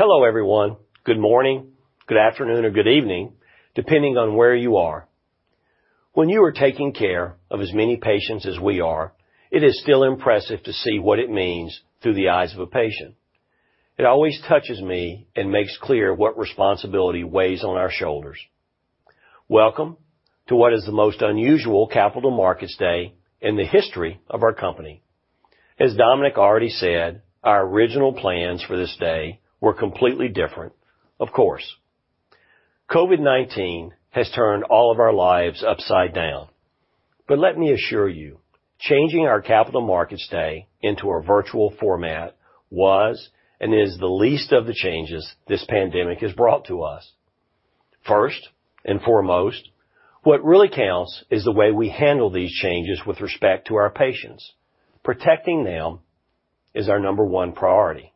Hello everyone. Good morning, good afternoon, or good evening, depending on where you are. When you are taking care of as many patients as we are, it is still impressive to see what it means through the eyes of a patient. It always touches me and makes clear what responsibility weighs on our shoulders. Welcome to what is the most unusual Capital Markets Day in the history of our company. As Dominik already said, our original plans for this day were completely different, of course. COVID-19 has turned all of our lives upside down. Let me assure you, changing our Capital Markets Day into a virtual format was and is the least of the changes this pandemic has brought to us. First and foremost, what really counts is the way we handle these changes with respect to our patients. Protecting them is our number one priority.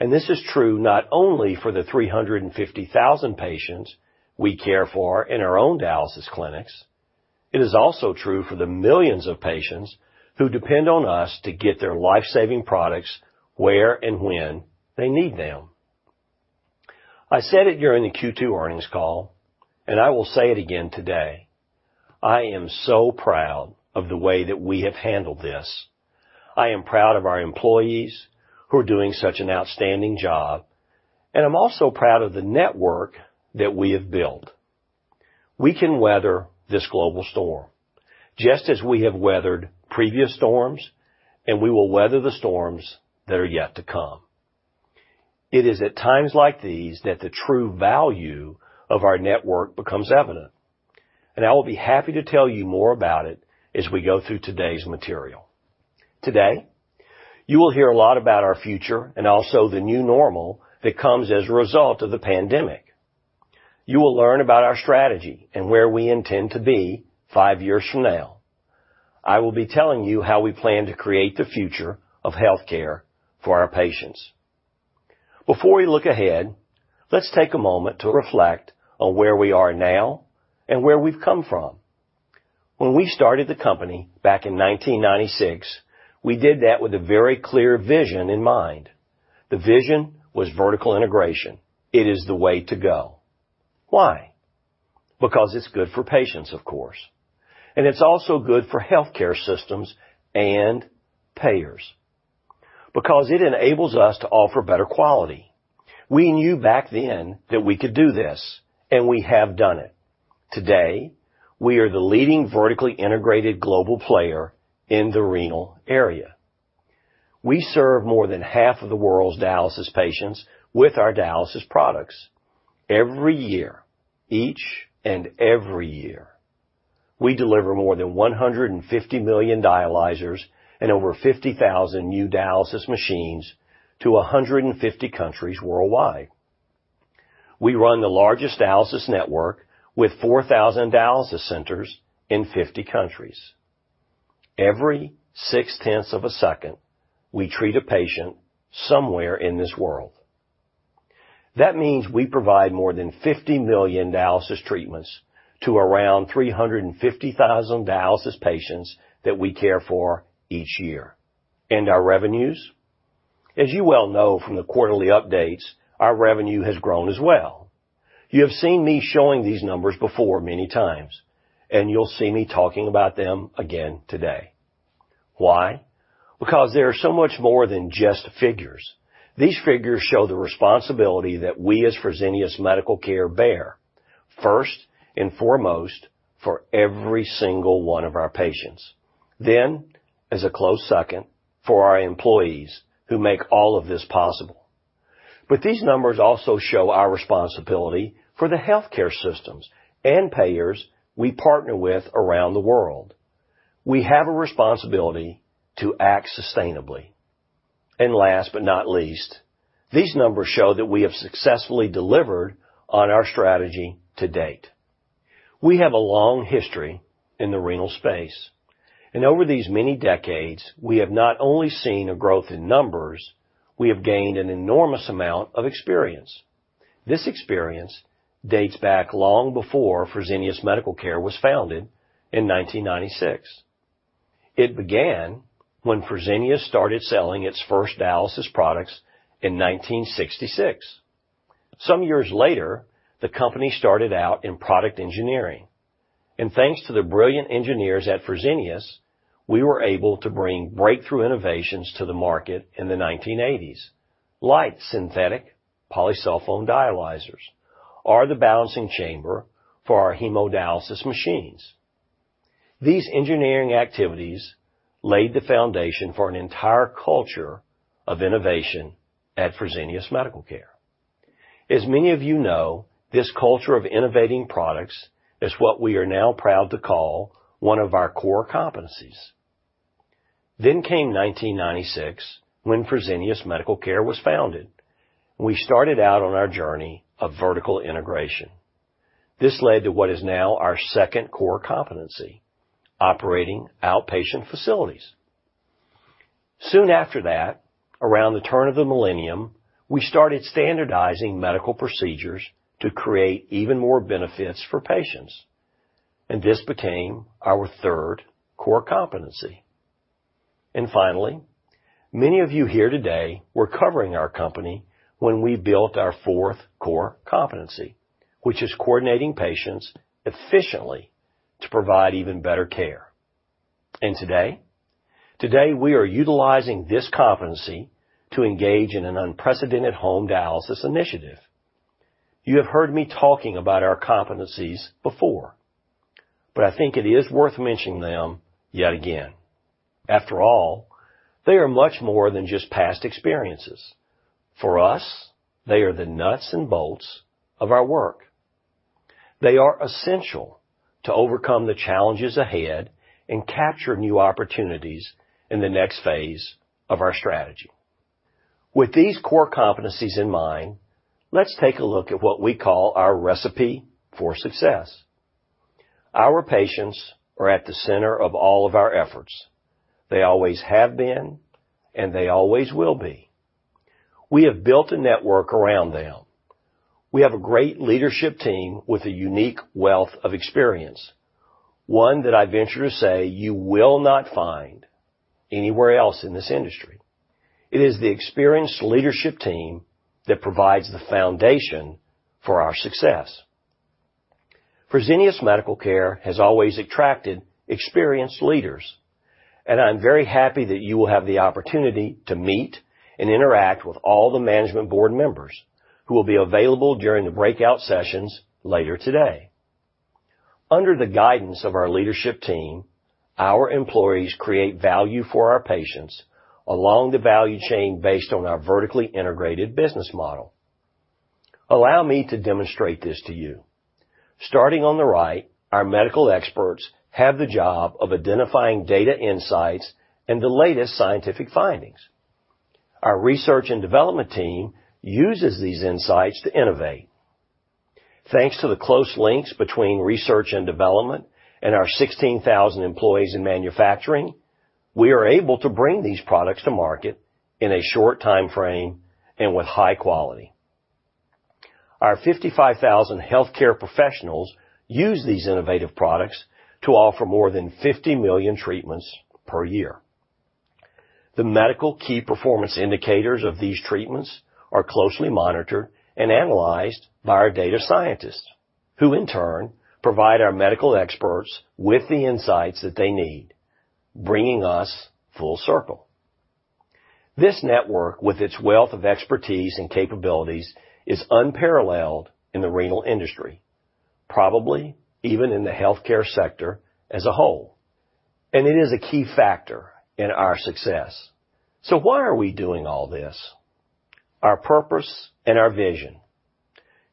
This is true not only for the 350,000 patients we care for in our own dialysis clinics, it is also true for the millions of patients who depend on us to get their life-saving products where and when they need them. I said it during the Q2 earnings call, and I will say it again today. I am so proud of the way that we have handled this. I am proud of our employees who are doing such an outstanding job, and I'm also proud of the network that we have built. We can weather this global storm, just as we have weathered previous storms, and we will weather the storms that are yet to come. It is at times like these that the true value of our network becomes evident, and I will be happy to tell you more about it as we go through today's material. Today, you will hear a lot about our future and also the new normal that comes as a result of the pandemic. You will learn about our strategy and where we intend to be five years from now. I will be telling you how we plan to create the future of healthcare for our patients. Before we look ahead, let's take a moment to reflect on where we are now and where we've come from. When we started the company back in 1996, we did that with a very clear vision in mind. The vision was vertical integration. It is the way to go. Why? It's good for patients, of course, and it's also good for healthcare systems and payers. It enables us to offer better quality. We knew back then that we could do this, and we have done it. Today, we are the leading vertically integrated global player in the renal area. We serve more than half of the world's dialysis patients with our dialysis products. Every year, each and every year, we deliver more than 150 million dialyzers and over 50,000 new dialysis machines to 150 countries worldwide. We run the largest dialysis network with 4,000 dialysis centers in 50 countries. Every six-tenths of a second, we treat a patient somewhere in this world. That means we provide more than 50 million dialysis treatments to around 350,000 dialysis patients that we care for each year. Our revenues? As you well know from the quarterly updates, our revenue has grown as well. You have seen me showing these numbers before many times, and you'll see me talking about them again today. Why? Because they are so much more than just figures. These figures show the responsibility that we, as Fresenius Medical Care, bear. First and foremost, for every single one of our patients. As a close second, for our employees, who make all of this possible. These numbers also show our responsibility for the healthcare systems and payers we partner with around the world. We have a responsibility to act sustainably. Last but not least, these numbers show that we have successfully delivered on our strategy to date. We have a long history in the renal space, and over these many decades, we have not only seen a growth in numbers, we have gained an enormous amount of experience. This experience dates back long before Fresenius Medical Care was founded in 1996. It began when Fresenius started selling its first dialysis products in 1966. Some years later, the company started out in product engineering. Thanks to the brilliant engineers at Fresenius, we were able to bring breakthrough innovations to the market in the 1980s, like synthetic polysulfone dialyzers, or the balancing chamber for our hemodialysis machines. These engineering activities laid the foundation for an entire culture of innovation at Fresenius Medical Care. As many of you know, this culture of innovating products is what we are now proud to call one of our core competencies. Came 1996, when Fresenius Medical Care was founded. We started out on our journey of vertical integration. This led to what is now our second core competency, operating outpatient facilities. Soon after that, around the turn of the millennium, we started standardizing medical procedures to create even more benefits for patients. This became our third core competency. Finally, many of you here today were covering our company when we built our fourth core competency, which is coordinating patients efficiently to provide even better care. Today? Today, we are utilizing this competency to engage in an unprecedented home dialysis initiative. You have heard me talking about our competencies before, but I think it is worth mentioning them yet again. After all, they are much more than just past experiences. For us, they are the nuts and bolts of our work. They are essential to overcome the challenges ahead and capture new opportunities in the next phase of our strategy. With these core competencies in mind, let's take a look at what we call our recipe for success. Our patients are at the center of all of our efforts. They always have been, and they always will be. We have built a network around them. We have a great leadership team with a unique wealth of experience, one that I venture to say you will not find anywhere else in this industry. It is the experienced leadership team that provides the foundation for our success. Fresenius Medical Care has always attracted experienced leaders, and I am very happy that you will have the opportunity to meet and interact with all the management board members, who will be available during the breakout sessions later today. Under the guidance of our leadership team, our employees create value for our patients along the value chain based on our vertically integrated business model. Allow me to demonstrate this to you. Starting on the right, our medical experts have the job of identifying data insights and the latest scientific findings. Our research and development team uses these insights to innovate. Thanks to the close links between research and development and our 16,000 employees in manufacturing, we are able to bring these products to market in a short timeframe and with high quality. Our 55,000 healthcare professionals use these innovative products to offer more than 50 million treatments per year. The medical key performance indicators of these treatments are closely monitored and analyzed by our data scientists, who in turn provide our medical experts with the insights that they need, bringing us full circle. This network, with its wealth of expertise and capabilities, is unparalleled in the renal industry, probably even in the healthcare sector as a whole, and it is a key factor in our success. Why are we doing all this? Our purpose and our vision,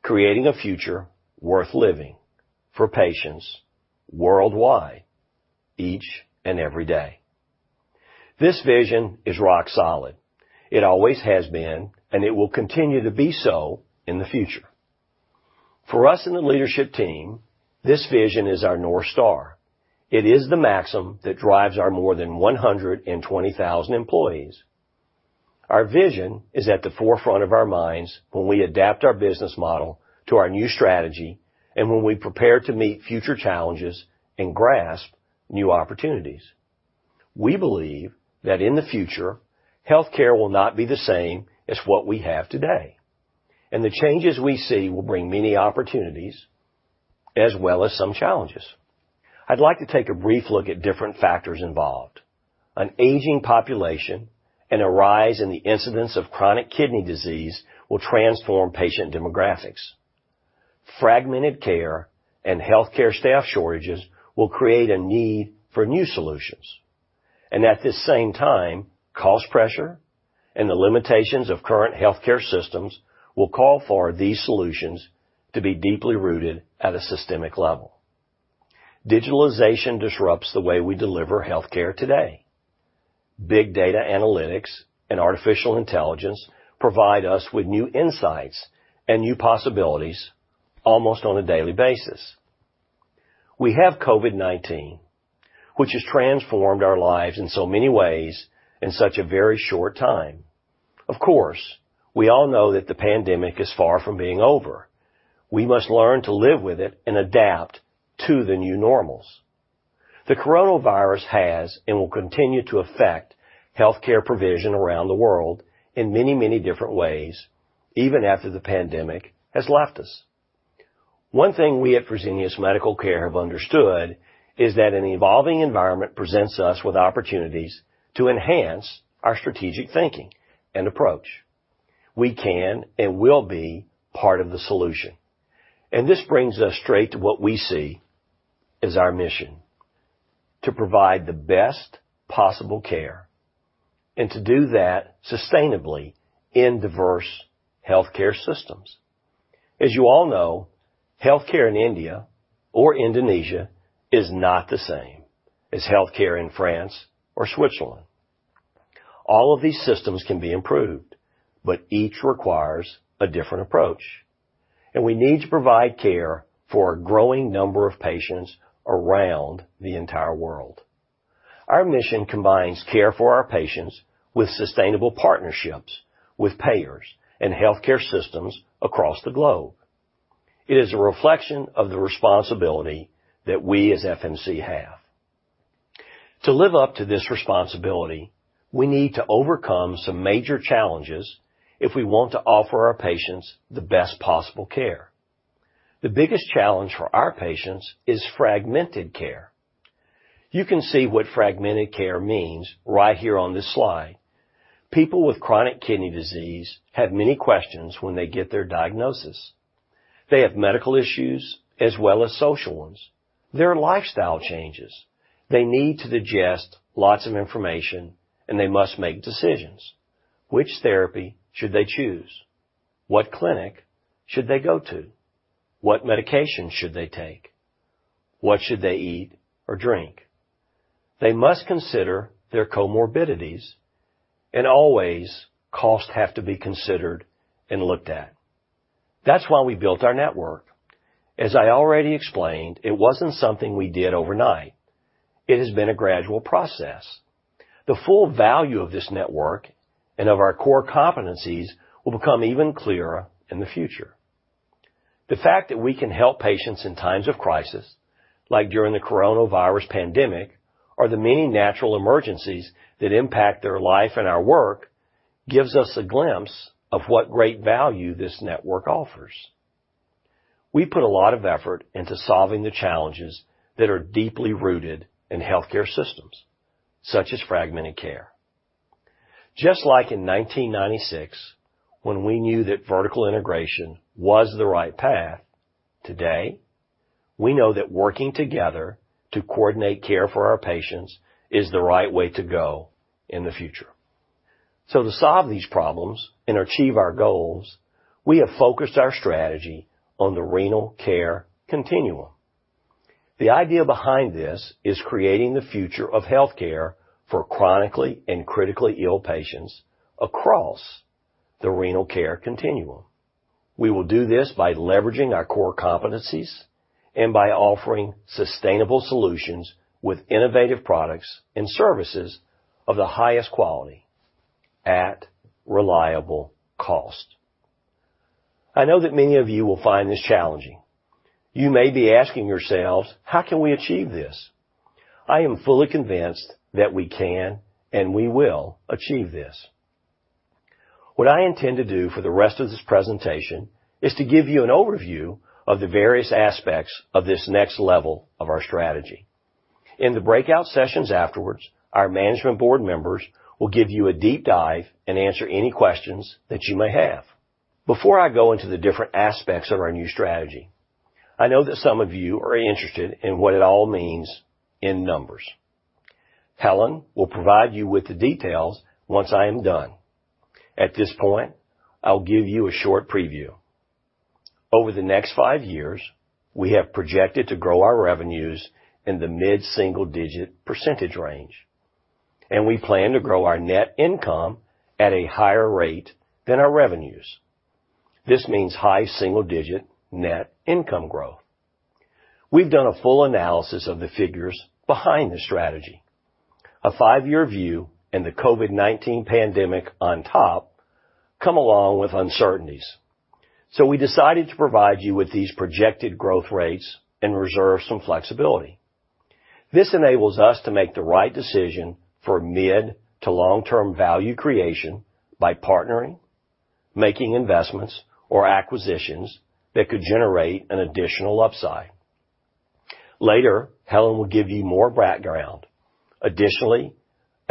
creating a future worth living for patients worldwide, each and every day. This vision is rock solid. It always has been, and it will continue to be so in the future. For us in the leadership team, this vision is our North Star. It is the maxim that drives our more than 120,000 employees. Our vision is at the forefront of our minds when we adapt our business model to our new strategy and when we prepare to meet future challenges and grasp new opportunities. We believe that in the future, healthcare will not be the same as what we have today, and the changes we see will bring many opportunities as well as some challenges. I'd like to take a brief look at different factors involved. An aging population and a rise in the incidence of chronic kidney disease will transform patient demographics. Fragmented care and healthcare staff shortages will create a need for new solutions. At this same time, cost pressure and the limitations of current healthcare systems will call for these solutions to be deeply rooted at a systemic level. Digitalization disrupts the way we deliver healthcare today. Big data analytics and artificial intelligence provide us with new insights and new possibilities almost on a daily basis. We have COVID-19, which has transformed our lives in so many ways in such a very short time. Of course, we all know that the pandemic is far from being over. We must learn to live with it and adapt to the new normal. The coronavirus has and will continue to affect healthcare provision around the world in many different ways, even after the pandemic has left us. One thing we at Fresenius Medical Care have understood is that an evolving environment presents us with opportunities to enhance our strategic thinking and approach. We can and will be part of the solution. This brings us straight to what we see as our mission: To provide the best possible care and to do that sustainably in diverse healthcare systems. As you all know, healthcare in India or Indonesia is not the same as healthcare in France or Switzerland. All of these systems can be improved, but each requires a different approach, and we need to provide care for a growing number of patients around the entire world. Our mission combines care for our patients with sustainable partnerships with payers and healthcare systems across the globe. It is a reflection of the responsibility that we as FMC have. To live up to this responsibility, we need to overcome some major challenges if we want to offer our patients the best possible care. The biggest challenge for our patients is fragmented care. You can see what fragmented care means right here on this slide. People with chronic kidney disease have many questions when they get their diagnosis. They have medical issues as well as social ones. There are lifestyle changes. They need to digest lots of information, and they must make decisions. Which therapy should they choose? What clinic should they go to? What medication should they take? What should they eat or drink? They must consider their comorbidities, and always costs have to be considered and looked at. That's why we built our network. As I already explained, it wasn't something we did overnight. It has been a gradual process. The full value of this network and of our core competencies will become even clearer in the future. The fact that we can help patients in times of crisis, like during the coronavirus pandemic or the many natural emergencies that impact their life and our work, gives us a glimpse of what great value this network offers. We put a lot of effort into solving the challenges that are deeply rooted in healthcare systems, such as fragmented care. Just like in 1996, when we knew that vertical integration was the right path, today, we know that working together to coordinate care for our patients is the right way to go in the future. To solve these problems and achieve our goals, we have focused our strategy on the renal care continuum. The idea behind this is creating the future of healthcare for chronically and critically ill patients across the renal care continuum. We will do this by leveraging our core competencies and by offering sustainable solutions with innovative products and services of the highest quality at reliable cost. I know that many of you will find this challenging. You may be asking yourselves, "How can we achieve this?" I am fully convinced that we can and we will achieve this. What I intend to do for the rest of this presentation is to give you an overview of the various aspects of this next level of our strategy. In the breakout sessions afterwards, our management board members will give you a deep dive and answer any questions that you may have. Before I go into the different aspects of our new strategy, I know that some of you are interested in what it all means in numbers. Helen will provide you with the details once I am done. At this point, I'll give you a short preview. Over the next five years, we have projected to grow our revenues in the mid-single-digit percentage range, and we plan to grow our net income at a higher rate than our revenues. This means high single-digit net income growth. We've done a full analysis of the figures behind this strategy. A five-year view and the COVID-19 pandemic on top come along with uncertainties, so we decided to provide you with these projected growth rates and reserve some flexibility. This enables us to make the right decision for mid to long-term value creation by partnering, making investments, or acquisitions that could generate an additional upside. Later, Helen will give you more background.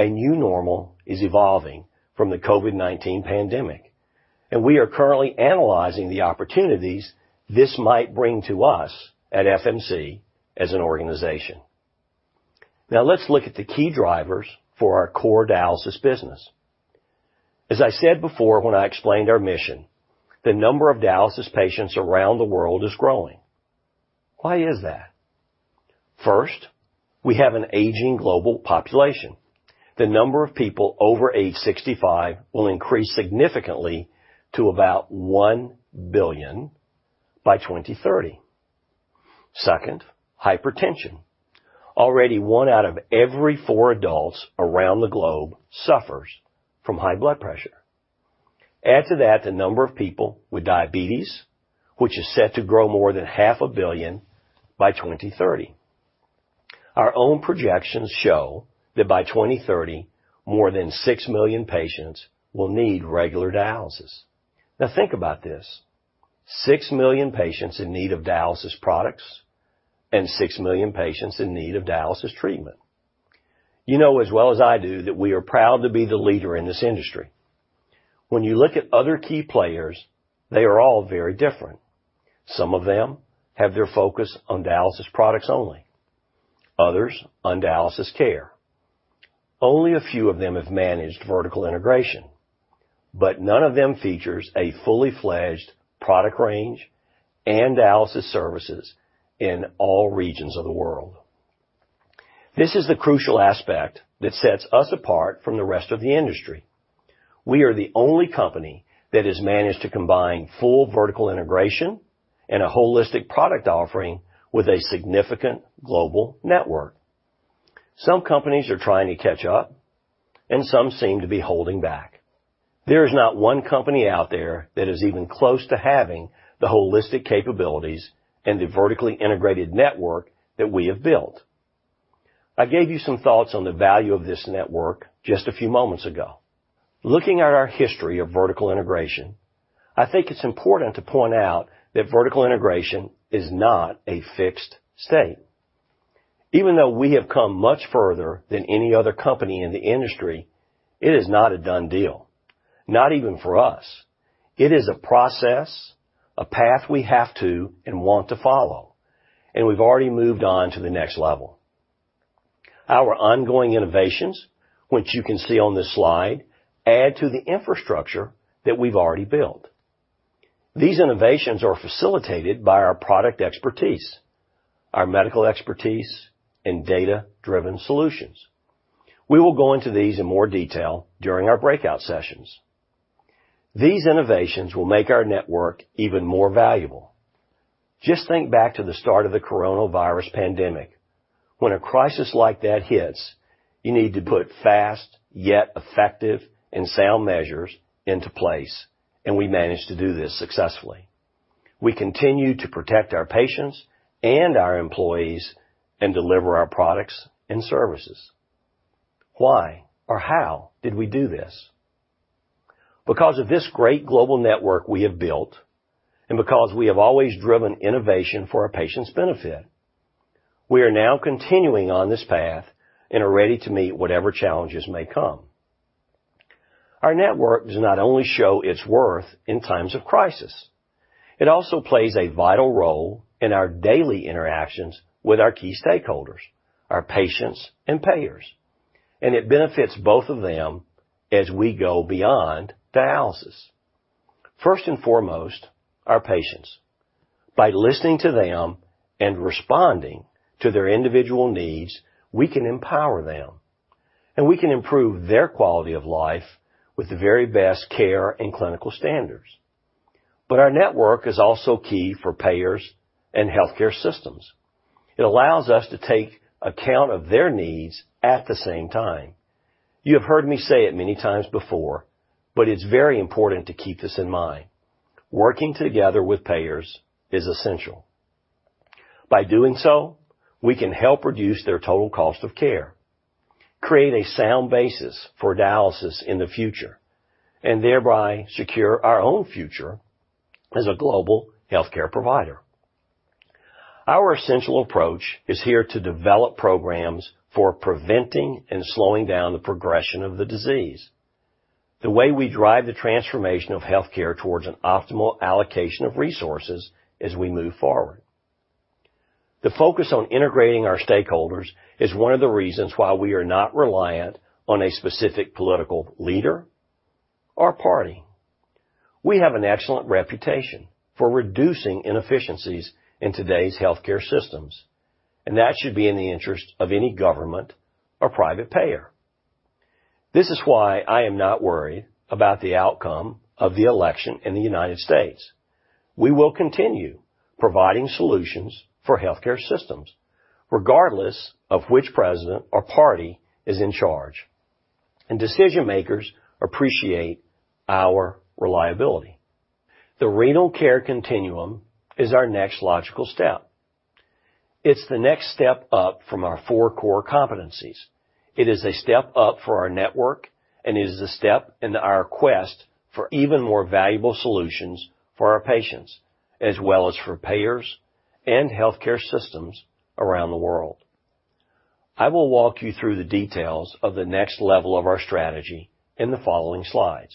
A new normal is evolving from the COVID-19 pandemic, and we are currently analyzing the opportunities this might bring to us at FMC as an organization. Let's look at the key drivers for our core dialysis business. As I said before when I explained our mission, the number of dialysis patients around the world is growing. Why is that? First, we have an aging global population. The number of people over age 65 will increase significantly to about 1 billion by 2030. Second, hypertension. Already one out of every four adults around the globe suffers from high blood pressure. Add to that the number of people with diabetes, which is set to grow more than 500 million by 2030. Our own projections show that by 2030, more than 6 million patients will need regular dialysis. Think about this. 6 million patients in need of dialysis products and 6 million patients in need of dialysis treatment. You know as well as I do that we are proud to be the leader in this industry. When you look at other key players, they are all very different. Some of them have their focus on dialysis products only, others on dialysis care. Only a few of them have managed vertical integration, but none of them features a fully fledged product range and dialysis services in all regions of the world. This is the crucial aspect that sets us apart from the rest of the industry. We are the only company that has managed to combine full vertical integration and a holistic product offering with a significant global network. Some companies are trying to catch up, some seem to be holding back. There is not one company out there that is even close to having the holistic capabilities and the vertically integrated network that we have built. I gave you some thoughts on the value of this network just a few moments ago. Looking at our history of vertical integration, I think it's important to point out that vertical integration is not a fixed state. Even though we have come much further than any other company in the industry, it is not a done deal, not even for us. It is a process, a path we have to and want to follow, and we've already moved on to the next level. Our ongoing innovations, which you can see on this slide, add to the infrastructure that we've already built. These innovations are facilitated by our product expertise, our medical expertise, and data-driven solutions. We will go into these in more detail during our breakout sessions. These innovations will make our network even more valuable. Just think back to the start of the coronavirus pandemic. When a crisis like that hits, you need to put fast, yet effective and sound measures into place, and we managed to do this successfully. We continue to protect our patients and our employees and deliver our products and services. Why or how did we do this? Because of this great global network we have built and because we have always driven innovation for our patients' benefit. We are now continuing on this path and are ready to meet whatever challenges may come. Our network does not only show its worth in times of crisis, it also plays a vital role in our daily interactions with our key stakeholders, our patients, and payers, and it benefits both of them as we go beyond dialysis. First and foremost, our patients. By listening to them and responding to their individual needs, we can empower them, and we can improve their quality of life with the very best care and clinical standards. Our network is also key for payers and healthcare systems. It allows us to take account of their needs at the same time. You have heard me say it many times before, but it's very important to keep this in mind. Working together with payers is essential. By doing so, we can help reduce their total cost of care, create a sound basis for dialysis in the future, and thereby secure our own future as a global healthcare provider. Our essential approach is here to develop programs for preventing and slowing down the progression of the disease, the way we drive the transformation of healthcare towards an optimal allocation of resources as we move forward. The focus on integrating our stakeholders is one of the reasons why we are not reliant on a specific political leader or party. We have an excellent reputation for reducing inefficiencies in today's healthcare systems, and that should be in the interest of any government or private payer. This is why I am not worried about the outcome of the election in the U.S. We will continue providing solutions for healthcare systems regardless of which president or party is in charge, and decision-makers appreciate our reliability. The Renal Care Continuum is our next logical step. It's the next step up from our four core competencies. It is a step up for our network and is a step in our quest for even more valuable solutions for our patients, as well as for payers and healthcare systems around the world. I will walk you through the details of the next level of our strategy in the following slides.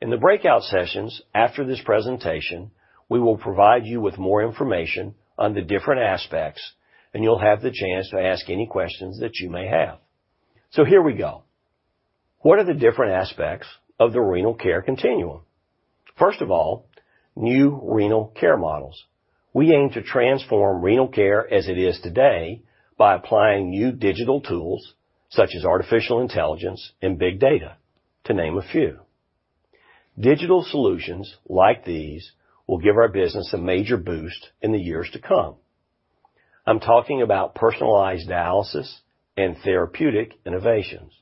In the breakout sessions after this presentation, we will provide you with more information on the different aspects, and you'll have the chance to ask any questions that you may have. Here we go. What are the different aspects of the Renal Care Continuum? First of all, new renal care models. We aim to transform renal care as it is today by applying new digital tools such as artificial intelligence and big data, to name a few. Digital solutions like these will give our business a major boost in the years to come. I'm talking about personalized dialysis and therapeutic innovations.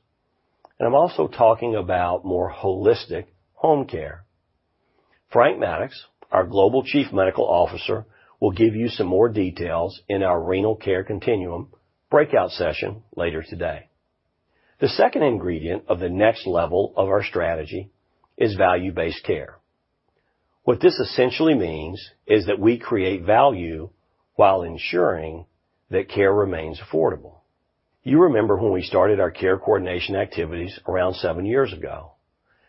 I'm also talking about more holistic home care. Frank Maddux, our Global Chief Medical Officer, will give you some more details in our renal care continuum breakout session later today. The second ingredient of the next level of our strategy is value-based care. What this essentially means is that we create value while ensuring that care remains affordable. You remember when we started our care coordination activities around seven years ago.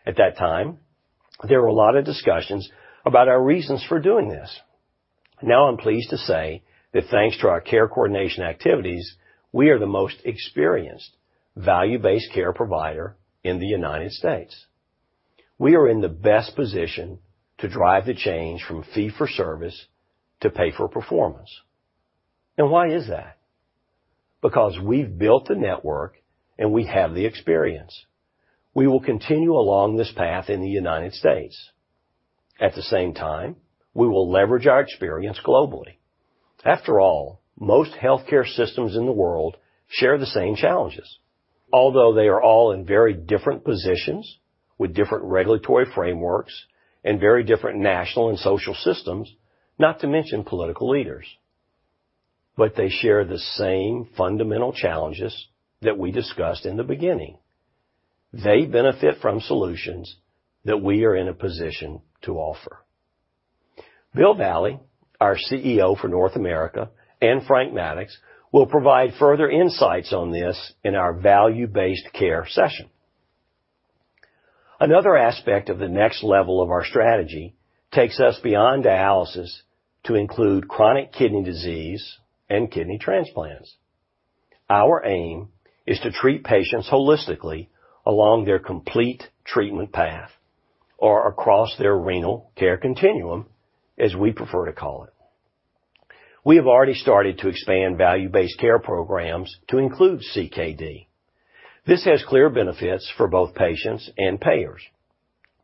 At that time, there were a lot of discussions about our reasons for doing this. Now, I'm pleased to say that thanks to our care coordination activities, we are the most experienced value-based care provider in the U.S. We are in the best position to drive the change from fee for service to pay for performance. Why is that? Because we've built the network and we have the experience. We will continue along this path in the United States. At the same time, we will leverage our experience globally. After all, most healthcare systems in the world share the same challenges, although they are all in very different positions with different regulatory frameworks and very different national and social systems, not to mention political leaders. They share the same fundamental challenges that we discussed in the beginning. They benefit from solutions that we are in a position to offer. Bill Valle, our CEO for North America, and Frank Maddux will provide further insights on this in our value-based care session. Another aspect of the next level of our strategy takes us beyond dialysis to include chronic kidney disease and kidney transplants. Our aim is to treat patients holistically along their complete treatment path or across their renal care continuum, as we prefer to call it. We have already started to expand value-based care programs to include CKD. This has clear benefits for both patients and payers.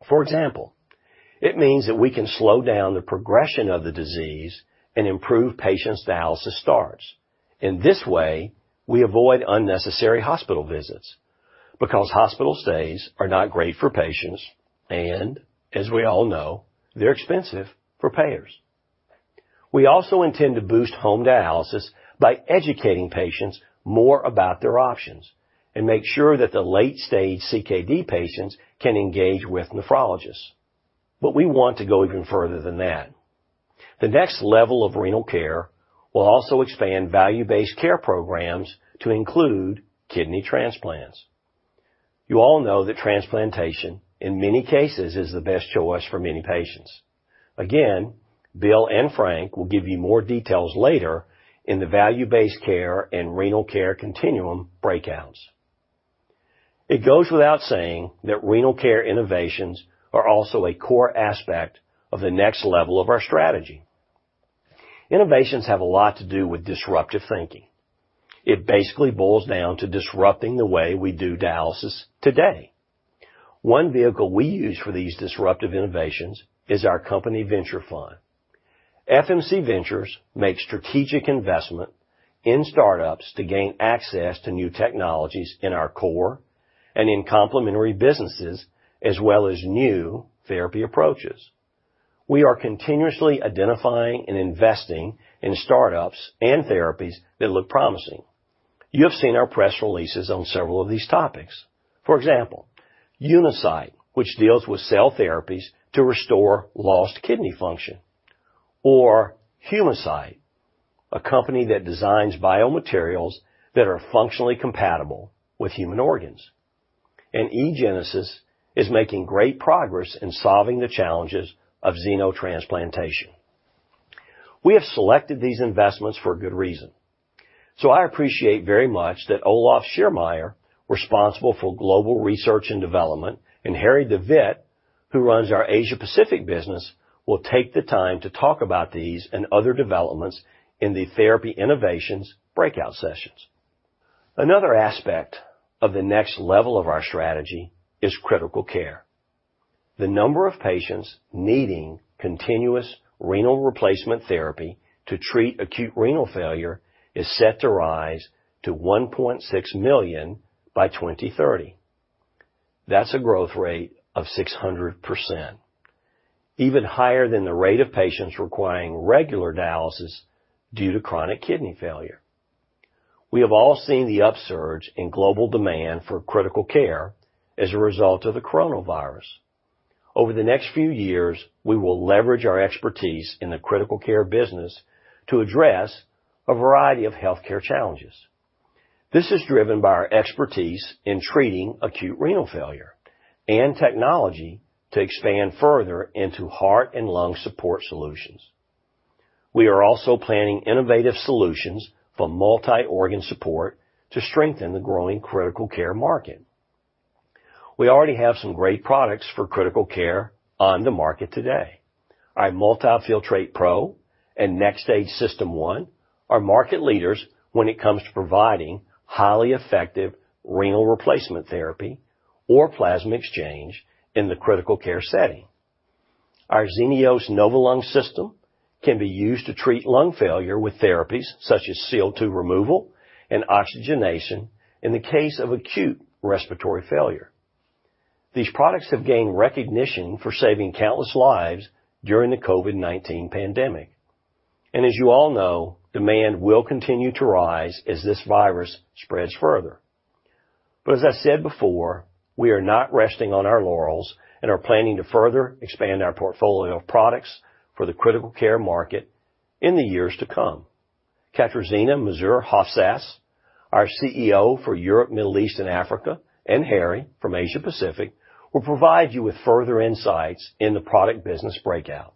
For example, it means that we can slow down the progression of the disease and improve patients' dialysis starts. In this way, we avoid unnecessary hospital visits because hospital stays are not great for patients, and as we all know, they're expensive for payers. We also intend to boost home dialysis by educating patients more about their options and make sure that the late-stage CKD patients can engage with nephrologists. We want to go even further than that. The next level of renal care will also expand value-based care programs to include kidney transplants. You all know that transplantation, in many cases, is the best choice for many patients. Again, Bill and Frank will give you more details later in the value-based care and renal care continuum breakouts. It goes without saying that renal care innovations are also a core aspect of the next level of our strategy. Innovations have a lot to do with disruptive thinking. It basically boils down to disrupting the way we do dialysis today. One vehicle we use for these disruptive innovations is our company venture fund. FMC Ventures makes strategic investment in startups to gain access to new technologies in our core and in complementary businesses as well as new therapy approaches. We are continuously identifying and investing in startups and therapies that look promising. You have seen our press releases on several of these topics. For example, Unicyte, which deals with cell therapies to restore lost kidney function, or Humacyte, a company that designs biomaterials that are functionally compatible with human organs. eGenesis is making great progress in solving the challenges of xenotransplantation. We have selected these investments for a good reason, I appreciate very much that Olaf Schermeier, responsible for global research and development, and Harry de Wit, who runs our Asia Pacific business, will take the time to talk about these and other developments in the therapy innovations breakout sessions. Another aspect of the next level of our strategy is critical care. The number of patients needing continuous renal replacement therapy to treat acute renal failure is set to rise to 1.6 million by 2030. That's a growth rate of 600%, even higher than the rate of patients requiring regular dialysis due to chronic kidney failure. We have all seen the upsurge in global demand for critical care as a result of the COVID-19. Over the next few years, we will leverage our expertise in the critical care business to address a variety of healthcare challenges. This is driven by our expertise in treating acute renal failure and technology to expand further into heart and lung support solutions. We are also planning innovative solutions for multi-organ support to strengthen the growing critical care market. We already have some great products for critical care on the market today. Our multiFiltratePRO and NxStage System One are market leaders when it comes to providing highly effective renal replacement therapy or plasma exchange in the critical care setting. Our Xenios Novalung system can be used to treat lung failure with therapies such as CO2 removal and oxygenation in the case of acute respiratory failure. These products have gained recognition for saving countless lives during the COVID-19 pandemic. As you all know, demand will continue to rise as this virus spreads further. As I said before, we are not resting on our laurels and are planning to further expand our portfolio of products for the critical care market in the years to come. Katarzyna Mazur-Hofsäß, our CEO for Europe, Middle East, and Africa, and Harry from Asia Pacific, will provide you with further insights in the product business breakout.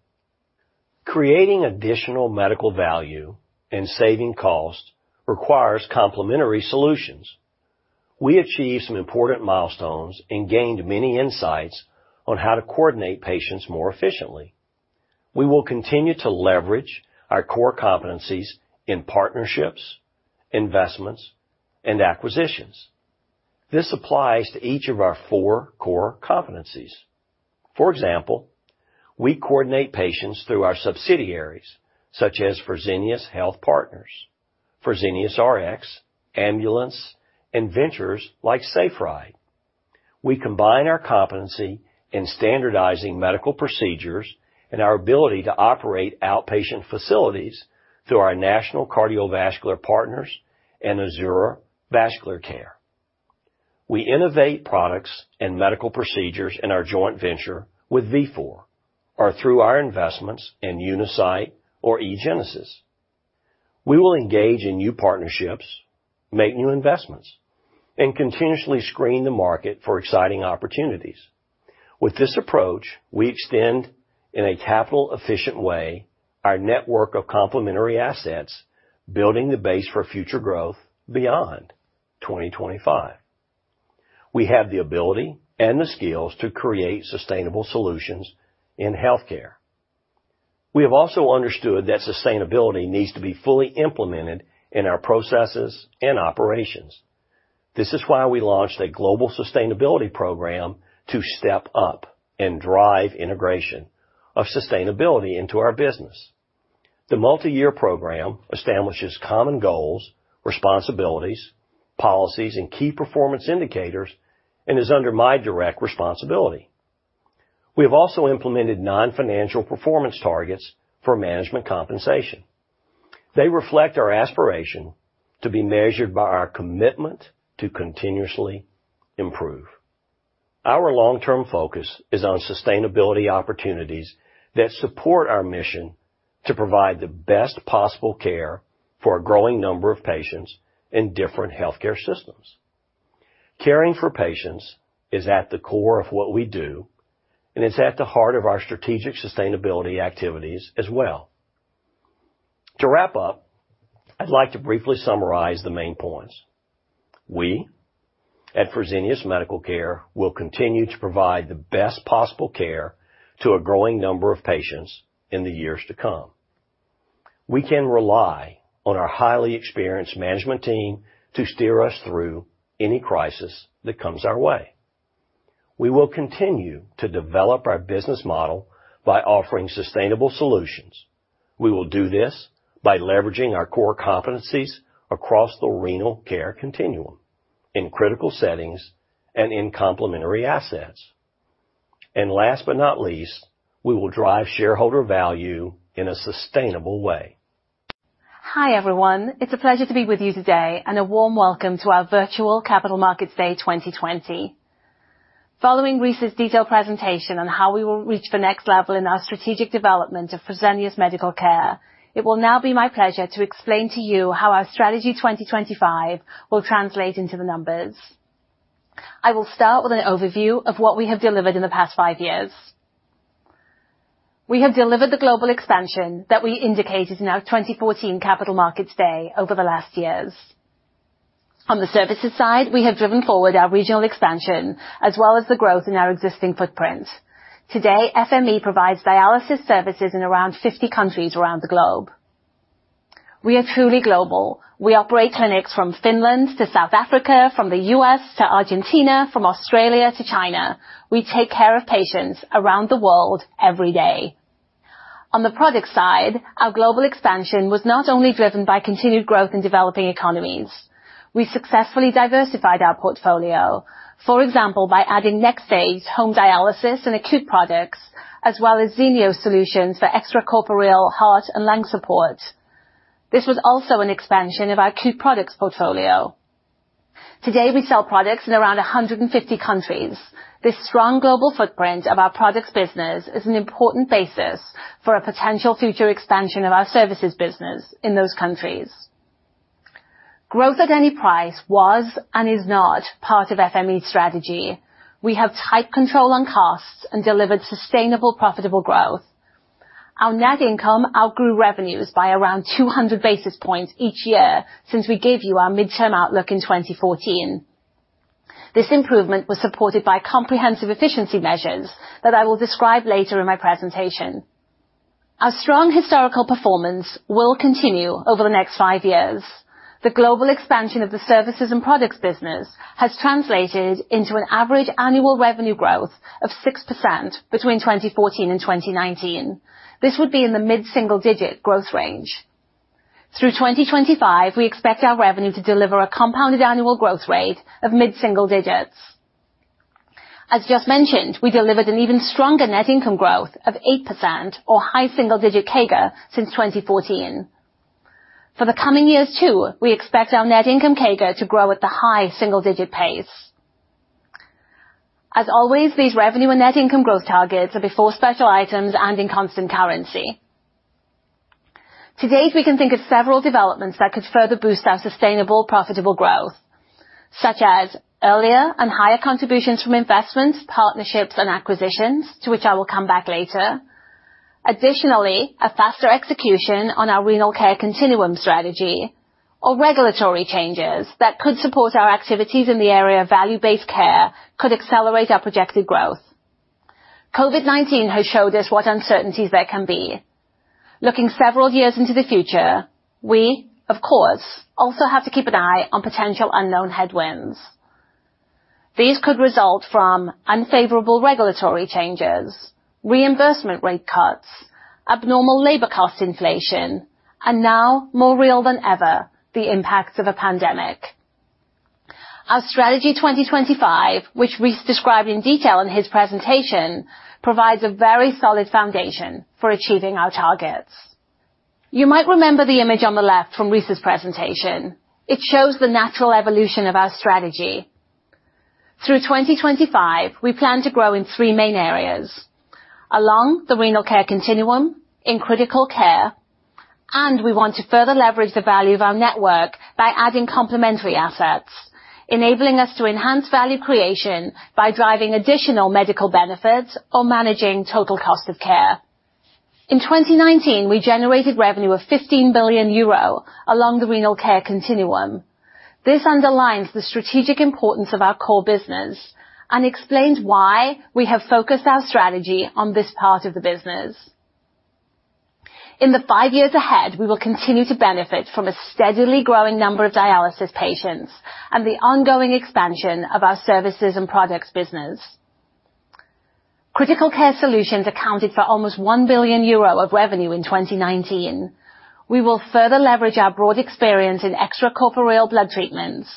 Creating additional medical value and saving costs requires complementary solutions. We achieved some important milestones and gained many insights on how to coordinate patients more efficiently. We will continue to leverage our core competencies in partnerships, investments, and acquisitions. This applies to each of our 4 core competencies. For example, we coordinate patients through our subsidiaries, such as Fresenius Health Partners, FreseniusRx, Ambulnz, and ventures like SafeRide. We combine our competency in standardizing medical procedures and our ability to operate outpatient facilities through our National Cardiovascular Partners and Azura Vascular Care. We innovate products and medical procedures in our joint venture with Vifor, or through our investments in Unicyte or eGenesis. We will engage in new partnerships, make new investments, and continuously screen the market for exciting opportunities. With this approach, we extend, in a capital efficient way, our network of complementary assets, building the base for future growth beyond 2025. We have the ability and the skills to create sustainable solutions in healthcare. We have also understood that sustainability needs to be fully implemented in our processes and operations. This is why we launched a global sustainability program to step up and drive integration of sustainability into our business. The multi-year program establishes common goals, responsibilities, policies, and key performance indicators, and is under my direct responsibility. We have also implemented non-financial performance targets for management compensation. They reflect our aspiration to be measured by our commitment to continuously improve. Our long-term focus is on sustainability opportunities that support our mission to provide the best possible care for a growing number of patients in different healthcare systems. Caring for patients is at the core of what we do, and it's at the heart of our strategic sustainability activities as well. To wrap up, I'd like to briefly summarize the main points. We at Fresenius Medical Care will continue to provide the best possible care to a growing number of patients in the years to come. We can rely on our highly experienced management team to steer us through any crisis that comes our way. We will continue to develop our business model by offering sustainable solutions. We will do this by leveraging our core competencies across the renal care continuum, in critical settings, and in complementary assets. Last but not least, we will drive shareholder value in a sustainable way. Hi, everyone. It's a pleasure to be with you today, and a warm welcome to our virtual Capital Markets Day 2020. Following Rice's detailed presentation on how we will reach the next level in our strategic development of Fresenius Medical Care, it will now be my pleasure to explain to you how our Strategy 2025 will translate into the numbers. I will start with an overview of what we have delivered in the past five years. We have delivered the global expansion that we indicated in our 2014 Capital Markets Day over the last years. On the services side, we have driven forward our regional expansion as well as the growth in our existing footprint. Today, FMC provides dialysis services in around 50 countries around the globe. We are truly global. We operate clinics from Finland to South Africa, from the U.S. to Argentina, from Australia to China. We take care of patients around the world every day. On the product side, our global expansion was not only driven by continued growth in developing economies. We successfully diversified our portfolio, for example, by adding NxStage home dialysis and acute products, as well as Xenios solutions for extracorporeal heart and lung support. This was also an expansion of our acute products portfolio. Today, we sell products in around 150 countries. This strong global footprint of our products business is an important basis for a potential future expansion of our services business in those countries. Growth at any price was and is not part of FMC strategy. We have tight control on costs and delivered sustainable, profitable growth. Our net income outgrew revenues by around 200 basis points each year since we gave you our midterm outlook in 2014. This improvement was supported by comprehensive efficiency measures that I will describe later in my presentation. Our strong historical performance will continue over the next five years. The global expansion of the services and products business has translated into an average annual revenue growth of 6% between 2014 and 2019. This would be in the mid-single digit growth range. Through 2025, we expect our revenue to deliver a compounded annual growth rate of mid-single digits. As just mentioned, we delivered an even stronger net income growth of 8% or high single digit CAGR since 2014. For the coming years too, we expect our net income CAGR to grow at the high single digit pace. As always, these revenue and net income growth targets are before special items and in constant currency. To date, we can think of several developments that could further boost our sustainable profitable growth, such as earlier and higher contributions from investments, partnerships, and acquisitions, to which I will come back later. Additionally, a faster execution on our renal care continuum strategy or regulatory changes that could support our activities in the area of value-based care could accelerate our projected growth. COVID-19 has showed us what uncertainties there can be. Looking several years into the future, we, of course, also have to keep an eye on potential unknown headwinds. These could result from unfavorable regulatory changes, reimbursement rate cuts, abnormal labor cost inflation, and now more real than ever, the impacts of a pandemic. Our Strategy 2025, which Rice described in detail in his presentation, provides a very solid foundation for achieving our targets. You might remember the image on the left from Rice's presentation. It shows the natural evolution of our strategy. Through 2025, we plan to grow in three main areas: along the renal care continuum, in critical care, and we want to further leverage the value of our network by adding complementary assets, enabling us to enhance value creation by driving additional medical benefits or managing total cost of care. In 2019, we generated revenue of 15 billion euro along the renal care continuum. This underlines the strategic importance of our core business and explains why we have focused our strategy on this part of the business. In the five years ahead, we will continue to benefit from a steadily growing number of dialysis patients and the ongoing expansion of our services and products business. Critical care solutions accounted for almost 1 billion euro of revenue in 2019. We will further leverage our broad experience in extracorporeal blood treatments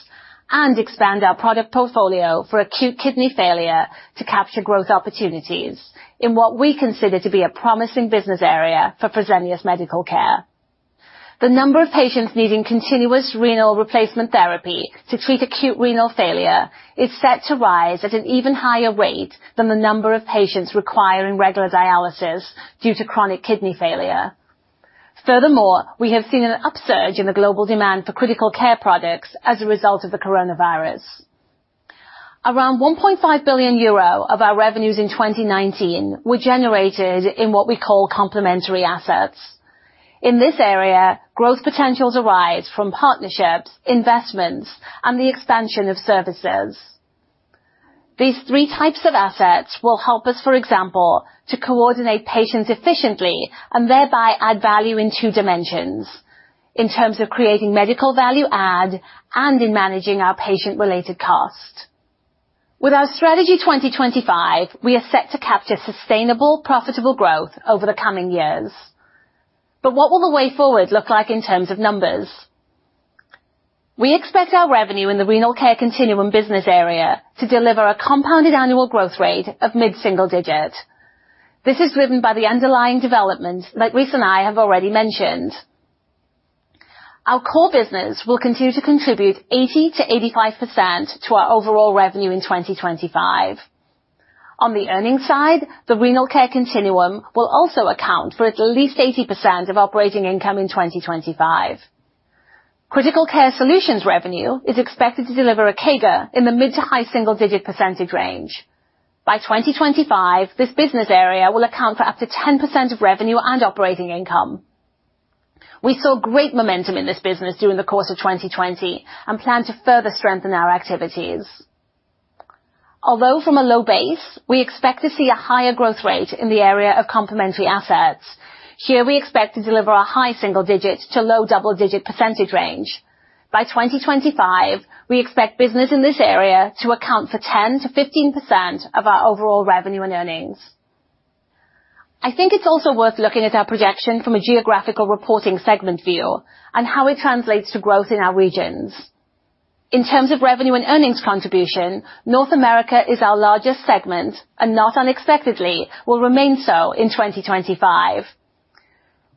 and expand our product portfolio for acute kidney failure to capture growth opportunities in what we consider to be a promising business area for Fresenius Medical Care. The number of patients needing continuous renal replacement therapy to treat acute renal failure is set to rise at an even higher rate than the number of patients requiring regular dialysis due to chronic kidney failure. Furthermore, we have seen an upsurge in the global demand for critical care products as a result of the coronavirus. Around 1.5 billion euro of our revenues in 2019 were generated in what we call complementary assets. In this area, growth potentials arise from partnerships, investments, and the expansion of services. These 2 dimensions of assets will help us, for example, to coordinate patients efficiently and thereby add value in 2 dimensions, in terms of creating medical value add and in managing our patient-related cost. With our Strategy 2025, we are set to capture sustainable, profitable growth over the coming years. What will the way forward look like in terms of numbers? We expect our revenue in the renal care continuum business area to deliver a CAGR of mid-single digit. This is driven by the underlying development that Rice and I have already mentioned. Our core business will continue to contribute 80%-85% to our overall revenue in 2025. On the earnings side, the renal care continuum will also account for at least 80% of operating income in 2025. Critical care solutions revenue is expected to deliver a CAGR in the mid to high single-digit percentage range. By 2025, this business area will account for up to 10% of revenue and operating income. We saw great momentum in this business during the course of 2020 and plan to further strengthen our activities. From a low base, we expect to see a higher growth rate in the area of complementary assets. Here we expect to deliver a high single-digit to low double-digit percentage range. By 2025, we expect business in this area to account for 10%-15% of our overall revenue and earnings. I think it's also worth looking at our projection from a geographical reporting segment view and how it translates to growth in our regions. In terms of revenue and earnings contribution, North America is our largest segment, and not unexpectedly, will remain so in 2025.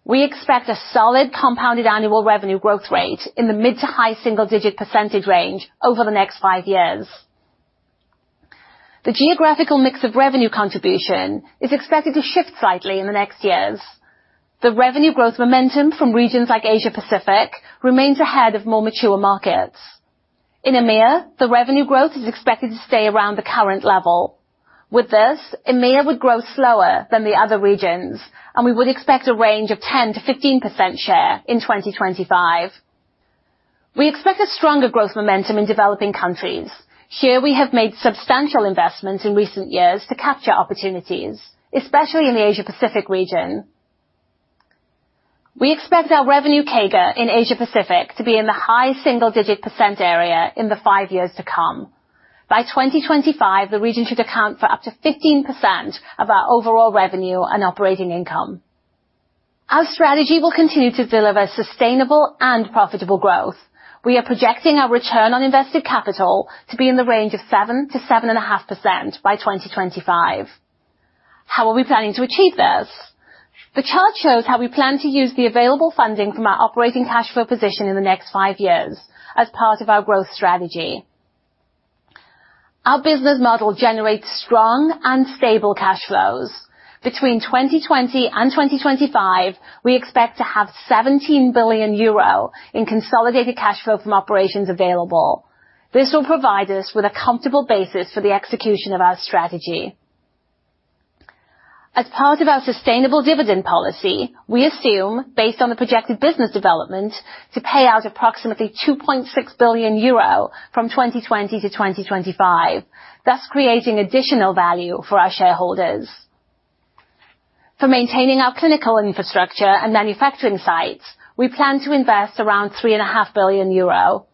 We expect a solid compounded annual revenue growth rate in the mid to high single-digit percentage range over the next five years. The geographical mix of revenue contribution is expected to shift slightly in the next years. The revenue growth momentum from regions like Asia Pacific remains ahead of more mature markets. In EMEA, the revenue growth is expected to stay around the current level. With this, EMEA would grow slower than the other regions, and we would expect a range of 10%-15% share in 2025. We expect a stronger growth momentum in developing countries. Here we have made substantial investments in recent years to capture opportunities, especially in the Asia Pacific region. We expect our revenue CAGR in Asia-Pacific to be in the high single-digit percent area in the five years to come. By 2025, the region should account for up to 15% of our overall revenue and operating income. Our strategy will continue to deliver sustainable and profitable growth. We are projecting our return on invested capital to be in the range of 7%-7.5% by 2025. How are we planning to achieve this? The chart shows how we plan to use the available funding from our operating cash flow position in the next five years as part of our growth strategy. Our business model generates strong and stable cash flows. Between 2020 and 2025, we expect to have 17 billion euro in consolidated cash flow from operations available. This will provide us with a comfortable basis for the execution of our strategy. As part of our sustainable dividend policy, we assume, based on the projected business development, to pay out approximately 2.6 billion euro from 2020 to 2025, thus creating additional value for our shareholders. For maintaining our clinical infrastructure and manufacturing sites, we plan to invest around 3.5 billion euro.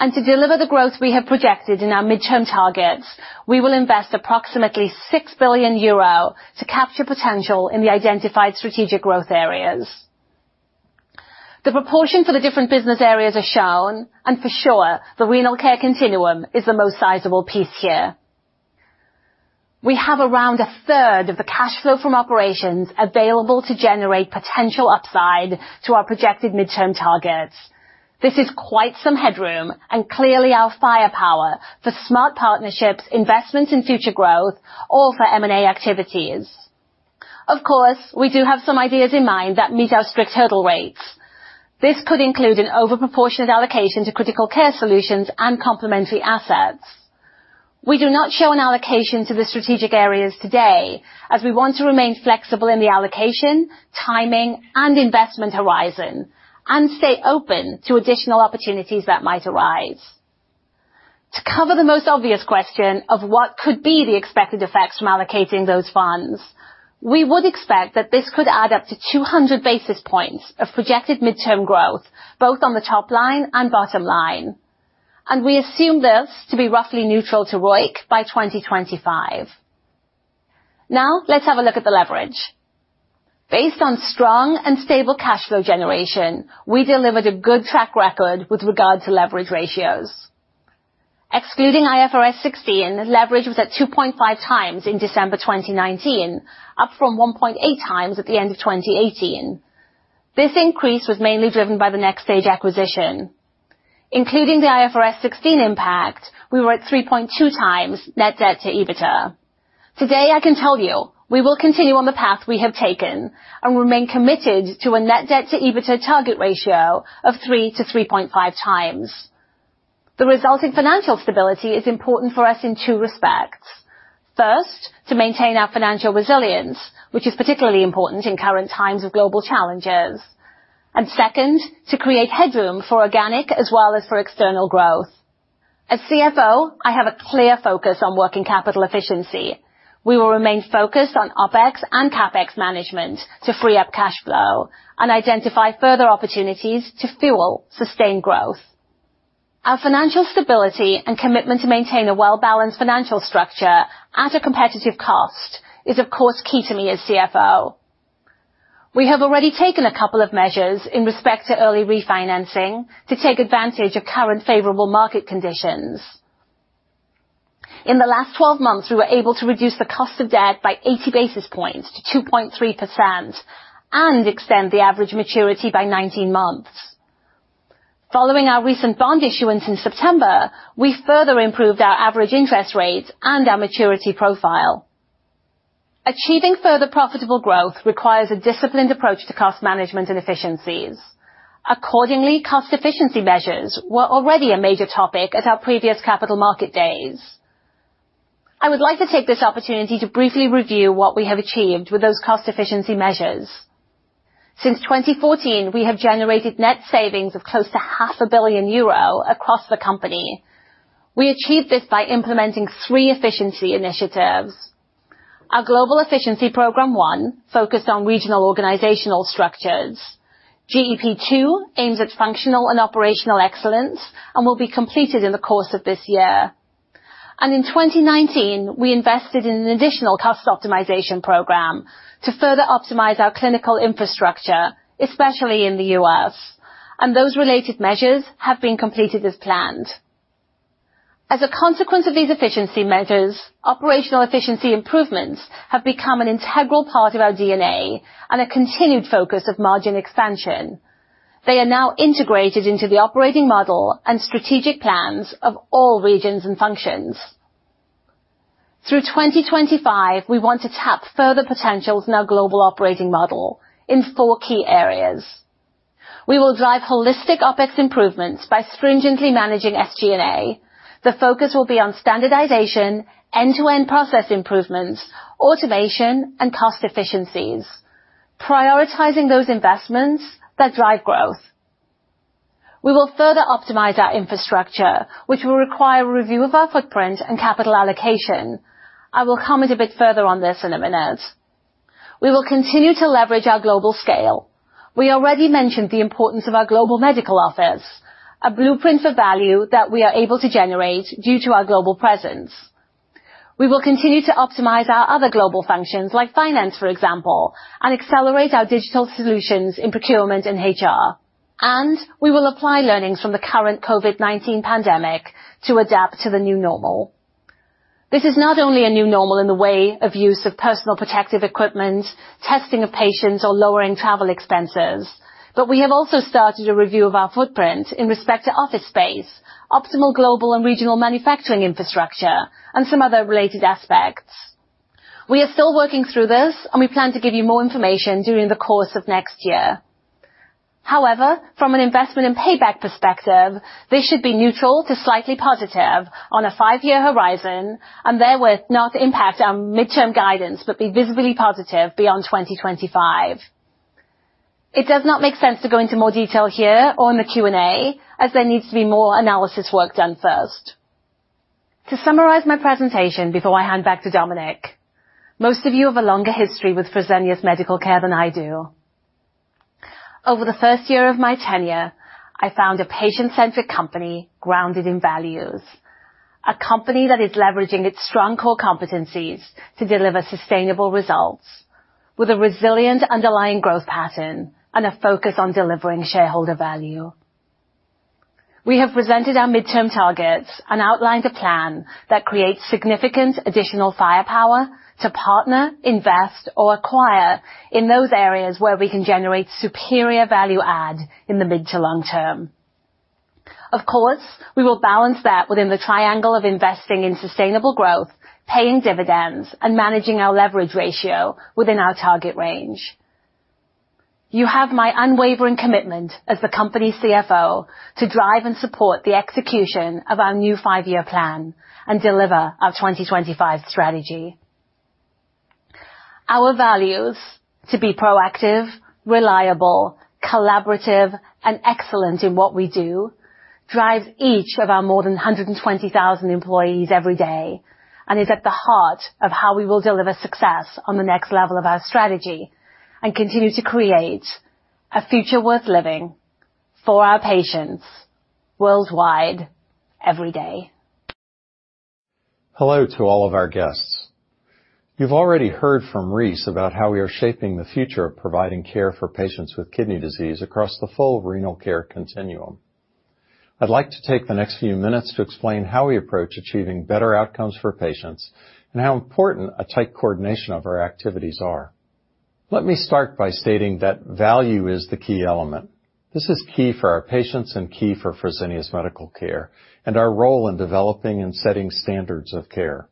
To deliver the growth we have projected in our midterm targets, we will invest approximately 6 billion euro to capture potential in the identified strategic growth areas. The proportions for the different business areas are shown, for sure, the renal care continuum is the most sizable piece here. We have around a third of the cash flow from operations available to generate potential upside to our projected midterm targets. This is quite some headroom and clearly our firepower for smart partnerships, investments in future growth, or for M&A activities. Of course, we do have some ideas in mind that meet our strict hurdle rates. This could include an over-proportionate allocation to critical care solutions and complementary assets. We do not show an allocation to the strategic areas today, as we want to remain flexible in the allocation, timing, and investment horizon and stay open to additional opportunities that might arise. To cover the most obvious question of what could be the expected effects from allocating those funds, we would expect that this could add up to 200 basis points of projected midterm growth, both on the top line and bottom line, and we assume this to be roughly neutral to ROIC by 2025. Now, let's have a look at the leverage. Based on strong and stable cash flow generation, we delivered a good track record with regard to leverage ratios. Excluding IFRS 16, leverage was at 2.5x in December 2019, up from 1.8x at the end of 2018. This increase was mainly driven by the NxStage acquisition. Including the IFRS 16 impact, we were at 3.2x net debt to EBITDA. Today, I can tell you, we will continue on the path we have taken and remain committed to a net debt to EBITDA target ratio of 3x-3.5 times. The resulting financial stability is important for us in two respects. First, to maintain our financial resilience, which is particularly important in current times of global challenges. Second, to create headroom for organic as well as for external growth. As CFO, I have a clear focus on working capital efficiency. We will remain focused on OpEx and CapEx management to free up cash flow and identify further opportunities to fuel sustained growth. Our financial stability and commitment to maintain a well-balanced financial structure at a competitive cost is, of course, key to me as CFO. We have already taken a couple of measures in respect to early refinancing to take advantage of current favorable market conditions. In the last 12 months, we were able to reduce the cost of debt by 80 basis points to 2.3% and extend the average maturity by 19 months. Following our recent bond issuance in September, we further improved our average interest rates and our maturity profile. Achieving further profitable growth requires a disciplined approach to cost management and efficiencies. Accordingly, cost efficiency measures were already a major topic at our previous Capital Market Days. I would like to take this opportunity to briefly review what we have achieved with those cost efficiency measures. Since 2014, we have generated net savings of close to 500 million euro across the company. We achieved this by implementing three efficiency initiatives. Our Global Efficiency Program 1 focused on regional organizational structures. GEP 2 aims at functional and operational excellence and will be completed in the course of this year. In 2019, we invested in an additional cost optimization program to further optimize our clinical infrastructure, especially in the U.S., and those related measures have been completed as planned. As a consequence of these efficiency measures, operational efficiency improvements have become an integral part of our DNA and a continued focus of margin expansion. They are now integrated into the operating model and strategic plans of all regions and functions. Through 2025, we want to tap further potentials in our global operating model in four key areas. We will drive holistic OpEx improvements by stringently managing SG&A. The focus will be on standardization, end-to-end process improvements, automation, and cost efficiencies, prioritizing those investments that drive growth. We will further optimize our infrastructure, which will require a review of our footprint and capital allocation. I will comment a bit further on this in a minute. We will continue to leverage our global scale. We already mentioned the importance of our Global Medical Office, a blueprint for value that we are able to generate due to our global presence. We will continue to optimize our other global functions, like finance for example, and accelerate our digital solutions in procurement and HR. We will apply learnings from the current COVID-19 pandemic to adapt to the new normal. This is not only a new normal in the way of use of personal protective equipment, testing of patients, or lowering travel expenses, but we have also started a review of our footprint in respect to office space, optimal global and regional manufacturing infrastructure, and some other related aspects. We are still working through this, and we plan to give you more information during the course of next year. However, from an investment and payback perspective, this should be neutral to slightly positive on a five-year horizon and therewith not impact our midterm guidance, but be visibly positive beyond 2025. It does not make sense to go into more detail here or in the Q&A, as there needs to be more analysis work done first. To summarize my presentation before I hand back to Dominik, most of you have a longer history with Fresenius Medical Care than I do. Over the first year of my tenure, I found a patient-centric company grounded in values, a company that is leveraging its strong core competencies to deliver sustainable results with a resilient underlying growth pattern and a focus on delivering shareholder value. We have presented our midterm targets and outlined a plan that creates significant additional firepower to partner, invest, or acquire in those areas where we can generate superior value add in the mid to long term. Of course, we will balance that within the triangle of investing in sustainable growth, paying dividends, and managing our leverage ratio within our target range. You have my unwavering commitment as the company CFO to drive and support the execution of our new five-year plan and deliver our 2025 strategy. Our values to be proactive, reliable, collaborative, and excellent in what we do drives each of our more than 120,000 employees every day and is at the heart of how we will deliver success on the next level of our strategy and continue to create a future worth living for our patients worldwide, every day. Hello to all of our guests. You've already heard from Rice about how we are shaping the future of providing care for patients with kidney disease across the full renal care continuum. I'd like to take the next few minutes to explain how we approach achieving better outcomes for patients and how important a tight coordination of our activities are. Let me start by stating that value is the key element. This is key for our patients and key for Fresenius Medical Care and our role in developing and setting standards of care.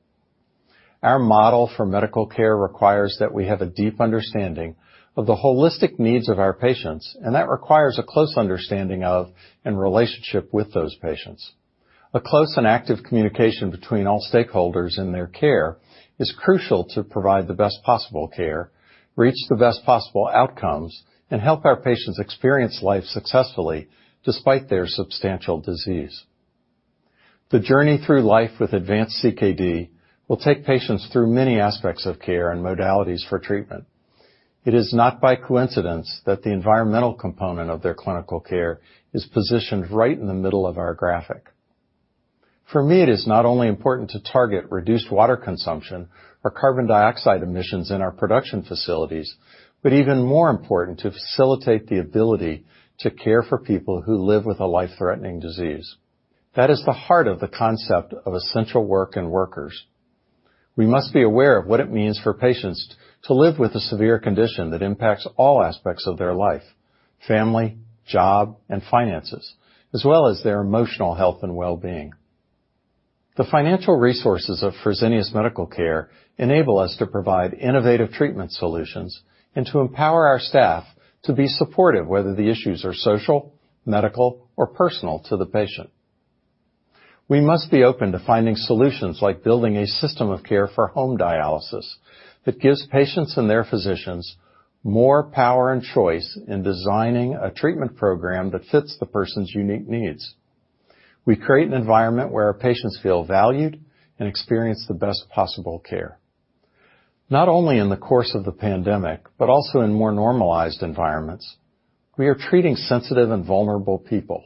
Our model for medical care requires that we have a deep understanding of the holistic needs of our patients, and that requires a close understanding of, and relationship with those patients. A close and active communication between all stakeholders in their care is crucial to provide the best possible care, reach the best possible outcomes, and help our patients experience life successfully despite their substantial disease. The journey through life with advanced CKD will take patients through many aspects of care and modalities for treatment. It is not by coincidence that the environmental component of their clinical care is positioned right in the middle of our graphic. For me, it is not only important to target reduced water consumption or carbon dioxide emissions in our production facilities, but even more important to facilitate the ability to care for people who live with a life-threatening disease. That is the heart of the concept of essential work and workers. We must be aware of what it means for patients to live with a severe condition that impacts all aspects of their life, family, job, and finances, as well as their emotional health and well-being. The financial resources of Fresenius Medical Care enable us to provide innovative treatment solutions and to empower our staff to be supportive, whether the issues are social, medical, or personal to the patient. We must be open to finding solutions like building a system of care for home dialysis that gives patients and their physicians more power and choice in designing a treatment program that fits the person's unique needs. We create an environment where our patients feel valued and experience the best possible care. Not only in the course of the pandemic, but also in more normalized environments, we are treating sensitive and vulnerable people.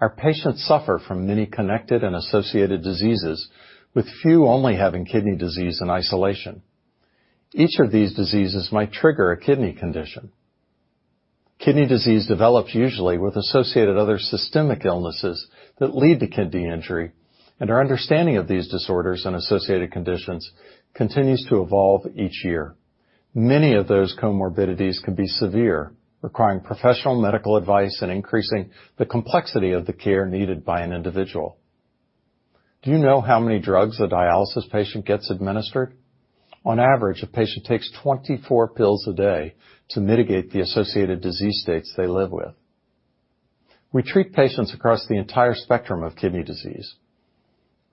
Our patients suffer from many connected and associated diseases with few only having kidney disease in isolation. Each of these diseases might trigger a kidney condition. Kidney disease develops usually with associated other systemic illnesses that lead to kidney injury, and our understanding of these disorders and associated conditions continues to evolve each year. Many of those comorbidities can be severe, requiring professional medical advice and increasing the complexity of the care needed by an individual. Do you know how many drugs a dialysis patient gets administered? On average, a patient takes 24 pills a day to mitigate the associated disease states they live with. We treat patients across the entire spectrum of kidney disease.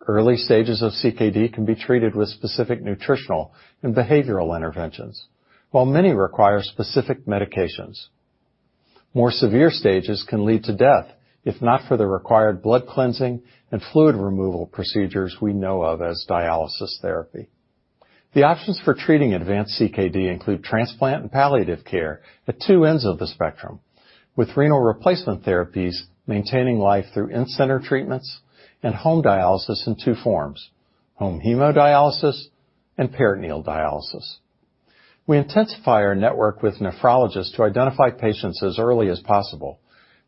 Early stages of CKD can be treated with specific nutritional and behavioral interventions. While many require specific medications, more severe stages can lead to death if not for the required blood cleansing and fluid removal procedures we know of as dialysis therapy. The options for treating advanced CKD include transplant and palliative care at two ends of the spectrum. With renal replacement therapies, maintaining life through in-center treatments and home dialysis in two forms, home hemodialysis and peritoneal dialysis. We intensify our network with nephrologists to identify patients as early as possible.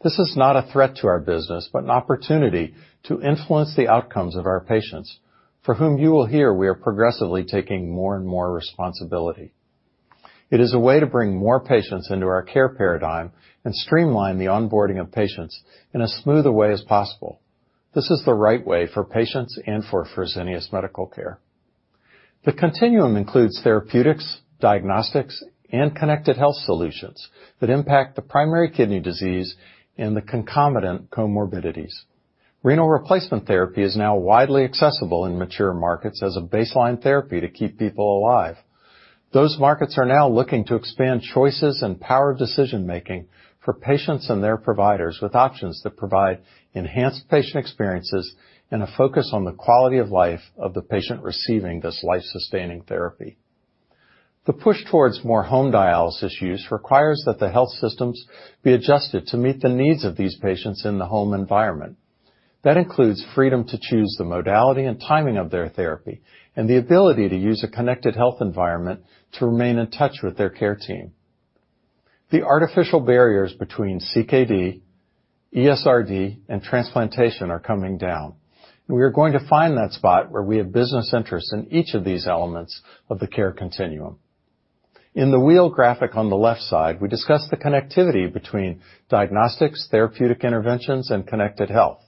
This is not a threat to our business, but an opportunity to influence the outcomes of our patients for whom you will hear we are progressively taking more and more responsibility. It is a way to bring more patients into our care paradigm and streamline the onboarding of patients in as smooth a way as possible. This is the right way for patients and for Fresenius Medical Care. The continuum includes therapeutics, diagnostics, and connected health solutions that impact the primary kidney disease and the concomitant comorbidities. Renal replacement therapy is now widely accessible in mature markets as a baseline therapy to keep people alive. Those markets are now looking to expand choices and power of decision-making for patients and their providers with options that provide enhanced patient experiences and a focus on the quality of life of the patient receiving this life-sustaining therapy. The push towards more home dialysis use requires that the health systems be adjusted to meet the needs of these patients in the home environment. That includes freedom to choose the modality and timing of their therapy and the ability to use a connected health environment to remain in touch with their care team. The artificial barriers between CKD, ESRD, and transplantation are coming down. We are going to find that spot where we have business interests in each of these elements of the care continuum. In the wheel graphic on the left side, we discuss the connectivity between diagnostics, therapeutic interventions, and connected health.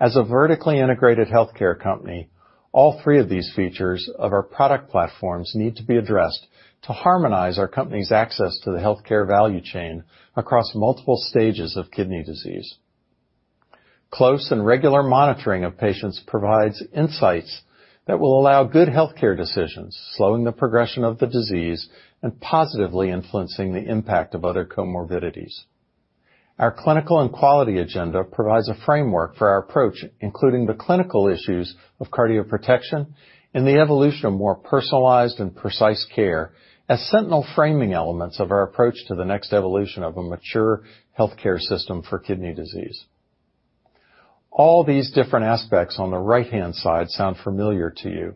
As a vertically integrated healthcare company, all three of these features of our product platforms need to be addressed to harmonize our company's access to the healthcare value chain across multiple stages of kidney disease. Close and regular monitoring of patients provides insights that will allow good healthcare decisions, slowing the progression of the disease and positively influencing the impact of other comorbidities. Our clinical and quality agenda provides a framework for our approach, including the clinical issues of cardioprotection and the evolution of more personalized and precise care as sentinel framing elements of our approach to the next evolution of a mature healthcare system for kidney disease. All these different aspects on the right-hand side sound familiar to you.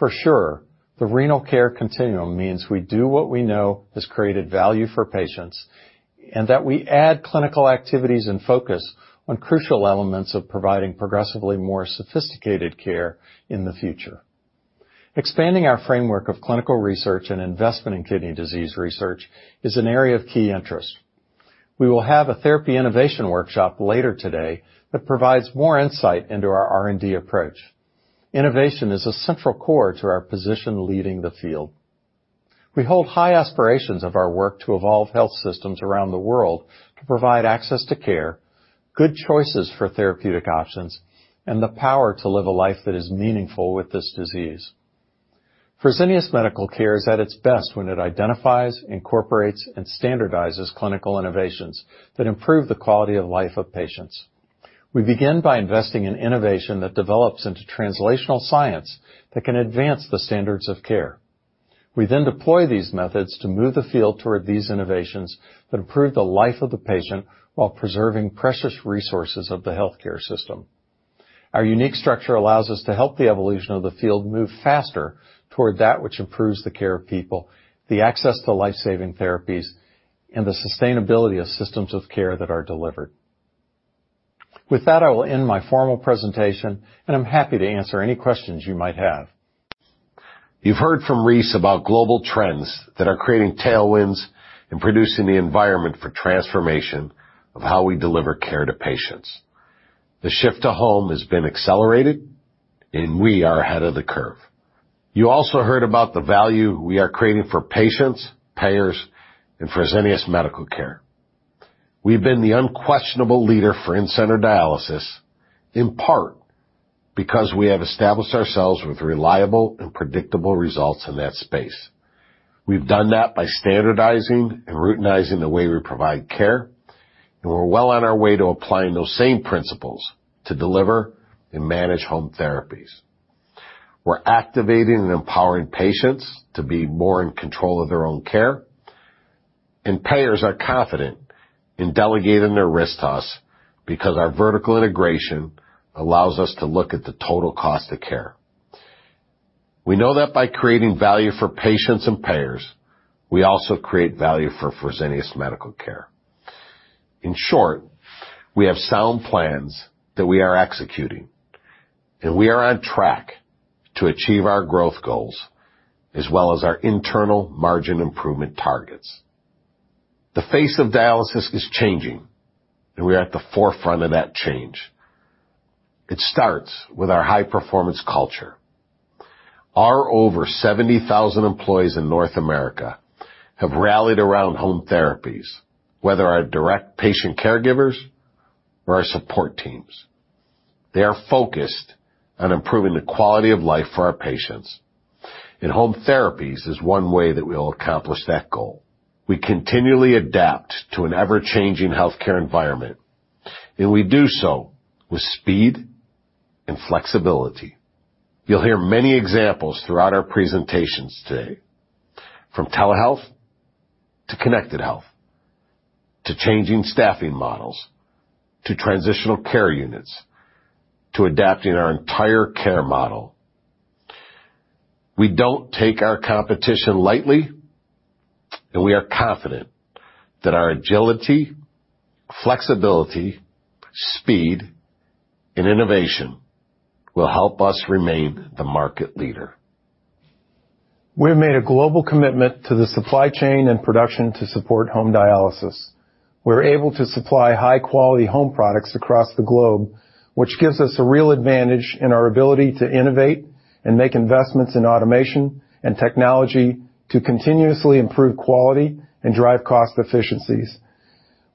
For sure, the renal care continuum means we do what we know has created value for patients, and that we add clinical activities and focus on crucial elements of providing progressively more sophisticated care in the future. Expanding our framework of clinical research and investment in kidney disease research is an area of key interest. We will have a therapy innovation workshop later today that provides more insight into our R&D approach. Innovation is a central core to our position leading the field. We hold high aspirations of our work to evolve health systems around the world to provide access to care, good choices for therapeutic options, and the power to live a life that is meaningful with this disease. Fresenius Medical Care is at its best when it identifies, incorporates, and standardizes clinical innovations that improve the quality of life of patients. We begin by investing in innovation that develops into translational science that can advance the standards of care. We then deploy these methods to move the field toward these innovations that improve the life of the patient while preserving precious resources of the healthcare system. Our unique structure allows us to help the evolution of the field move faster toward that which improves the care of people, the access to life-saving therapies, and the sustainability of systems of care that are delivered. With that, I will end my formal presentation, and I'm happy to answer any questions you might have. You've heard from Rice about global trends that are creating tailwinds and producing the environment for transformation of how we deliver care to patients. The shift to home has been accelerated, we are ahead of the curve. You also heard about the value we are creating for patients, payers, and Fresenius Medical Care. We've been the unquestionable leader for in-center dialysis, in part because we have established ourselves with reliable and predictable results in that space. We've done that by standardizing and routinizing the way we provide care, we're well on our way to applying those same principles to deliver and manage home therapies. We're activating and empowering patients to be more in control of their own care. Payers are confident in delegating the risk to us because our vertical integration allows us to look at the total cost of care. We know that by creating value for patients and payers, we also create value for Fresenius Medical Care. In short, we have sound plans that we are executing, and we are on track to achieve our growth goals as well as our internal margin improvement targets. The face of dialysis is changing, and we are at the forefront of that change. It starts with our high-performance culture. Our over 70,000 employees in North America have rallied around home therapies, whether our direct patient caregivers or our support teams. They are focused on improving the quality of life for our patients. Home therapies is one way that we'll accomplish that goal. We continually adapt to an ever-changing healthcare environment, and we do so with speed and flexibility. You'll hear many examples throughout our presentations today, from telehealth to connected health to changing staffing models to transitional care units to adapting our entire care model. We don't take our competition lightly, and we are confident that our agility, flexibility, speed, and innovation will help us remain the market leader. We have made a global commitment to the supply chain and production to support home dialysis. We're able to supply high-quality home products across the globe, which gives us a real advantage in our ability to innovate and make investments in automation and technology to continuously improve quality and drive cost efficiencies.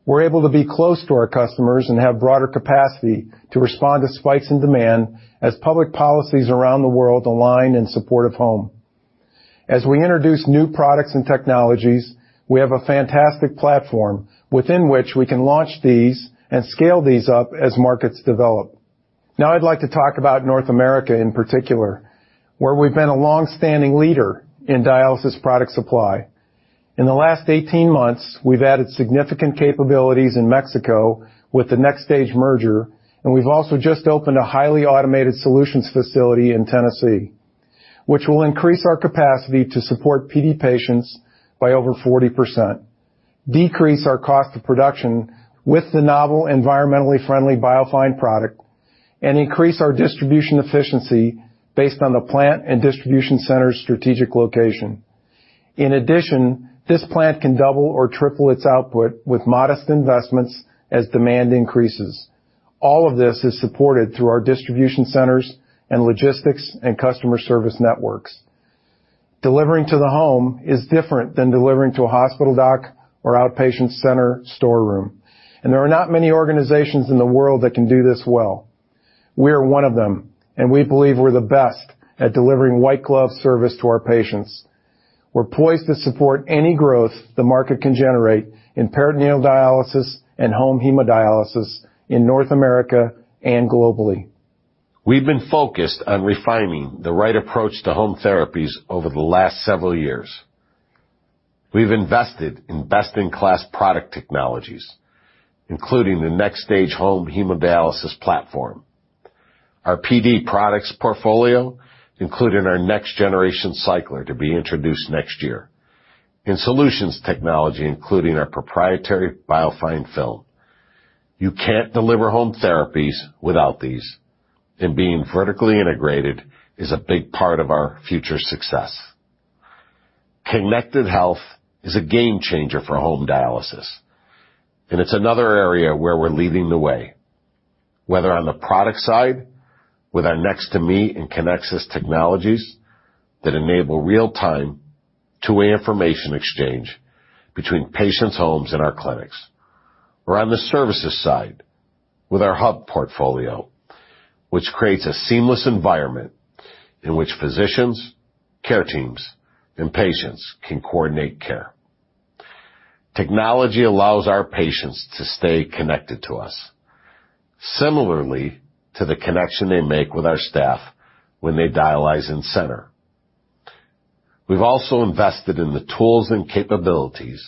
We're able to be close to our customers and have broader capacity to respond to spikes in demand as public policies around the world align in support of home. As we introduce new products and technologies, we have a fantastic platform within which we can launch these and scale these up as markets develop. Now, I'd like to talk about North America in particular, where we've been a longstanding leader in dialysis product supply. In the last 18 months, we've added significant capabilities in Mexico with the NxStage merger, and we've also just opened a highly automated solutions facility in Tennessee, which will increase our capacity to support PD patients by over 40%, decrease our cost of production with the novel environmentally friendly Biofine product, and increase our distribution efficiency based on the plant and distribution center's strategic location. In addition, this plant can double or triple its output with modest investments as demand increases. All of this is supported through our distribution centers and logistics and customer service networks. Delivering to the home is different than delivering to a hospital dock or outpatient center storeroom, and there are not many organizations in the world that can do this well. We are one of them, and we believe we're the best at delivering white glove service to our patients. We're poised to support any growth the market can generate in peritoneal dialysis and home hemodialysis in North America and globally. We've been focused on refining the right approach to home therapies over the last several years. We've invested in best-in-class product technologies, including the NxStage home hemodialysis platform. Our PD products portfolio, including our next-generation cycler to be introduced next year. In solutions technology, including our proprietary Biofine film. You can't deliver home therapies without these, and being vertically integrated is a big part of our future success. Connected health is a game changer for home dialysis, and it's another area where we're leading the way, whether on the product side with our Nx2me and Kinexus technologies that enable real-time, two-way information exchange between patients' homes and our clinics. We're on the services side with our Hub portfolio, which creates a seamless environment in which physicians, care teams, and patients can coordinate care. Technology allows our patients to stay connected to us similarly to the connection they make with our staff when they dialyze in-center. We've also invested in the tools and capabilities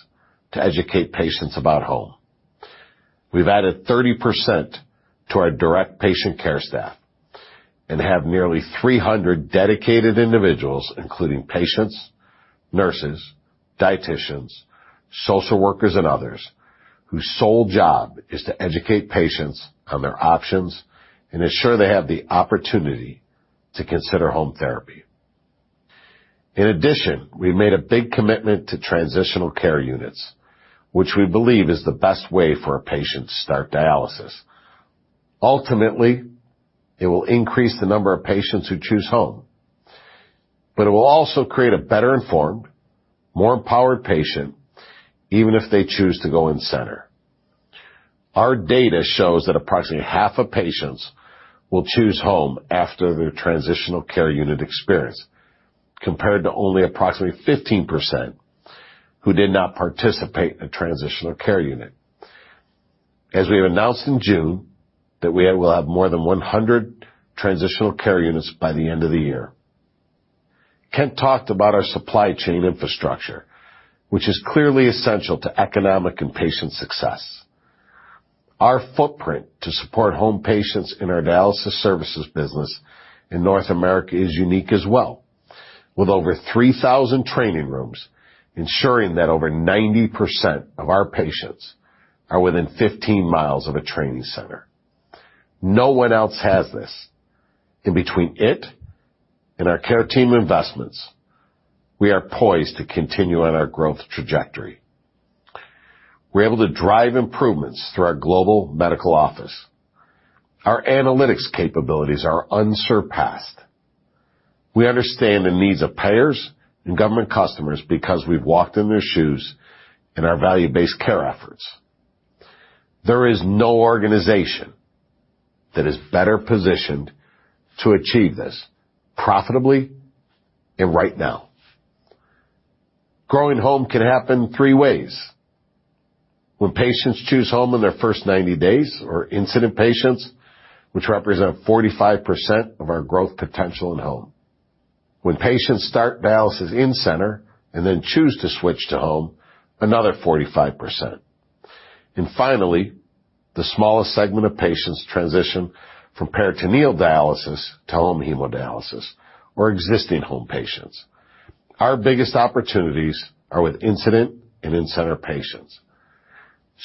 to educate patients about home. We've added 30% to our direct patient care staff and have nearly 300 dedicated individuals, including patients, nurses, dietitians, social workers, and others, whose sole job is to educate patients on their options and ensure they have the opportunity to consider home therapy. In addition, we made a big commitment to transitional care units, which we believe is the best way for a patient to start dialysis. Ultimately, it will increase the number of patients who choose home, but it will also create a better-informed, more empowered patient, even if they choose to go in-center. Our data shows that approximately half of patients will choose home after their transitional care unit experience, compared to only approximately 15% who did not participate in a transitional care unit. We have announced in June, that we will have more than 100 transitional care units by the end of the year. Kent talked about our supply chain infrastructure, which is clearly essential to economic and patient success. Our footprint to support home patients in our dialysis services business in North America is unique as well, with over 3,000 training rooms ensuring that over 90% of our patients are within 15 miles of a training center. No one else has this. Between it and our care team investments, we are poised to continue on our growth trajectory. We're able to drive improvements through our Global Medical Office. Our analytics capabilities are unsurpassed. We understand the needs of payers and government customers because we've walked in their shoes in our value-based care efforts. There is no organization that is better positioned to achieve this profitably and right now. Growing home can happen three ways. When patients choose home in their first 90 days or incident patients, which represent 45% of our growth potential in home. When patients start dialysis in-center and then choose to switch to home, another 45%. Finally, the smallest segment of patients transition from peritoneal dialysis to home hemodialysis or existing home patients. Our biggest opportunities are with incident and in-center patients.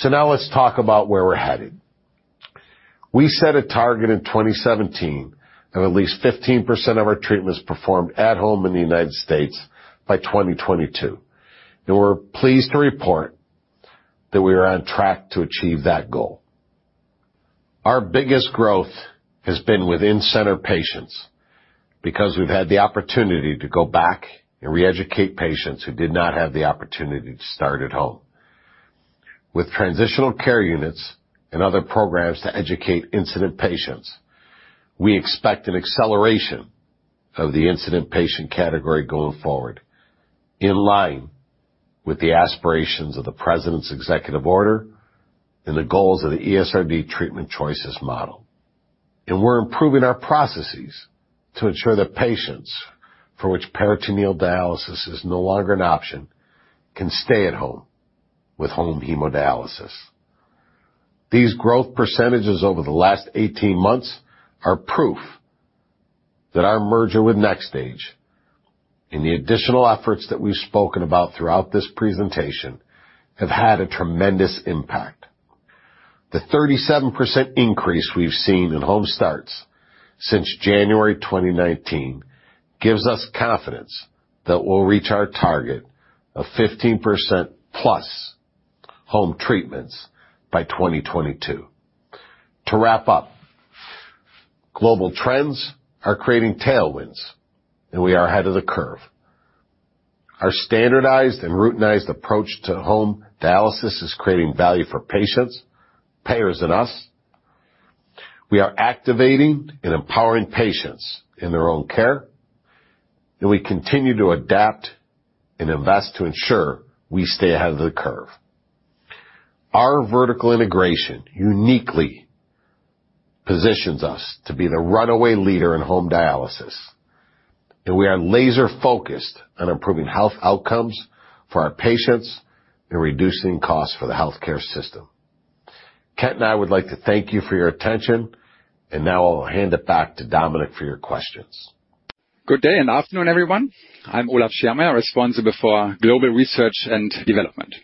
Now let's talk about where we're headed. We set a target in 2017 of at least 15% of our treatments performed at home in the U.S. by 2022. We're pleased to report that we are on track to achieve that goal. Our biggest growth has been with in-center patients because we've had the opportunity to go back and re-educate patients who did not have the opportunity to start at home. With transitional care units and other programs to educate incident patients, we expect an acceleration of the incident patient category going forward, in line with the aspirations of the president's executive order and the goals of the ESRD Treatment Choices Model. We're improving our processes to ensure that patients for which peritoneal dialysis is no longer an option can stay at home with home hemodialysis. These growth percentages over the last 18 months are proof that our merger with NxStage and the additional efforts that we've spoken about throughout this presentation have had a tremendous impact. The 37% increase we've seen in home starts since January 2019 gives us confidence that we'll reach our target of 15%+ home treatments by 2022. To wrap up, global trends are creating tailwinds, and we are ahead of the curve. Our standardized and routinized approach to home dialysis is creating value for patients, payers, and us. We are activating and empowering patients in their own care, and we continue to adapt and invest to ensure we stay ahead of the curve. Our vertical integration uniquely positions us to be the runaway leader in home dialysis, and we are laser-focused on improving health outcomes for our patients and reducing costs for the healthcare system. Kent and I would like to thank you for your attention. Now I'll hand it back to Dominik for your questions. Good day, and afternoon, everyone. I'm Olaf Schermeier, responsible for global research and development.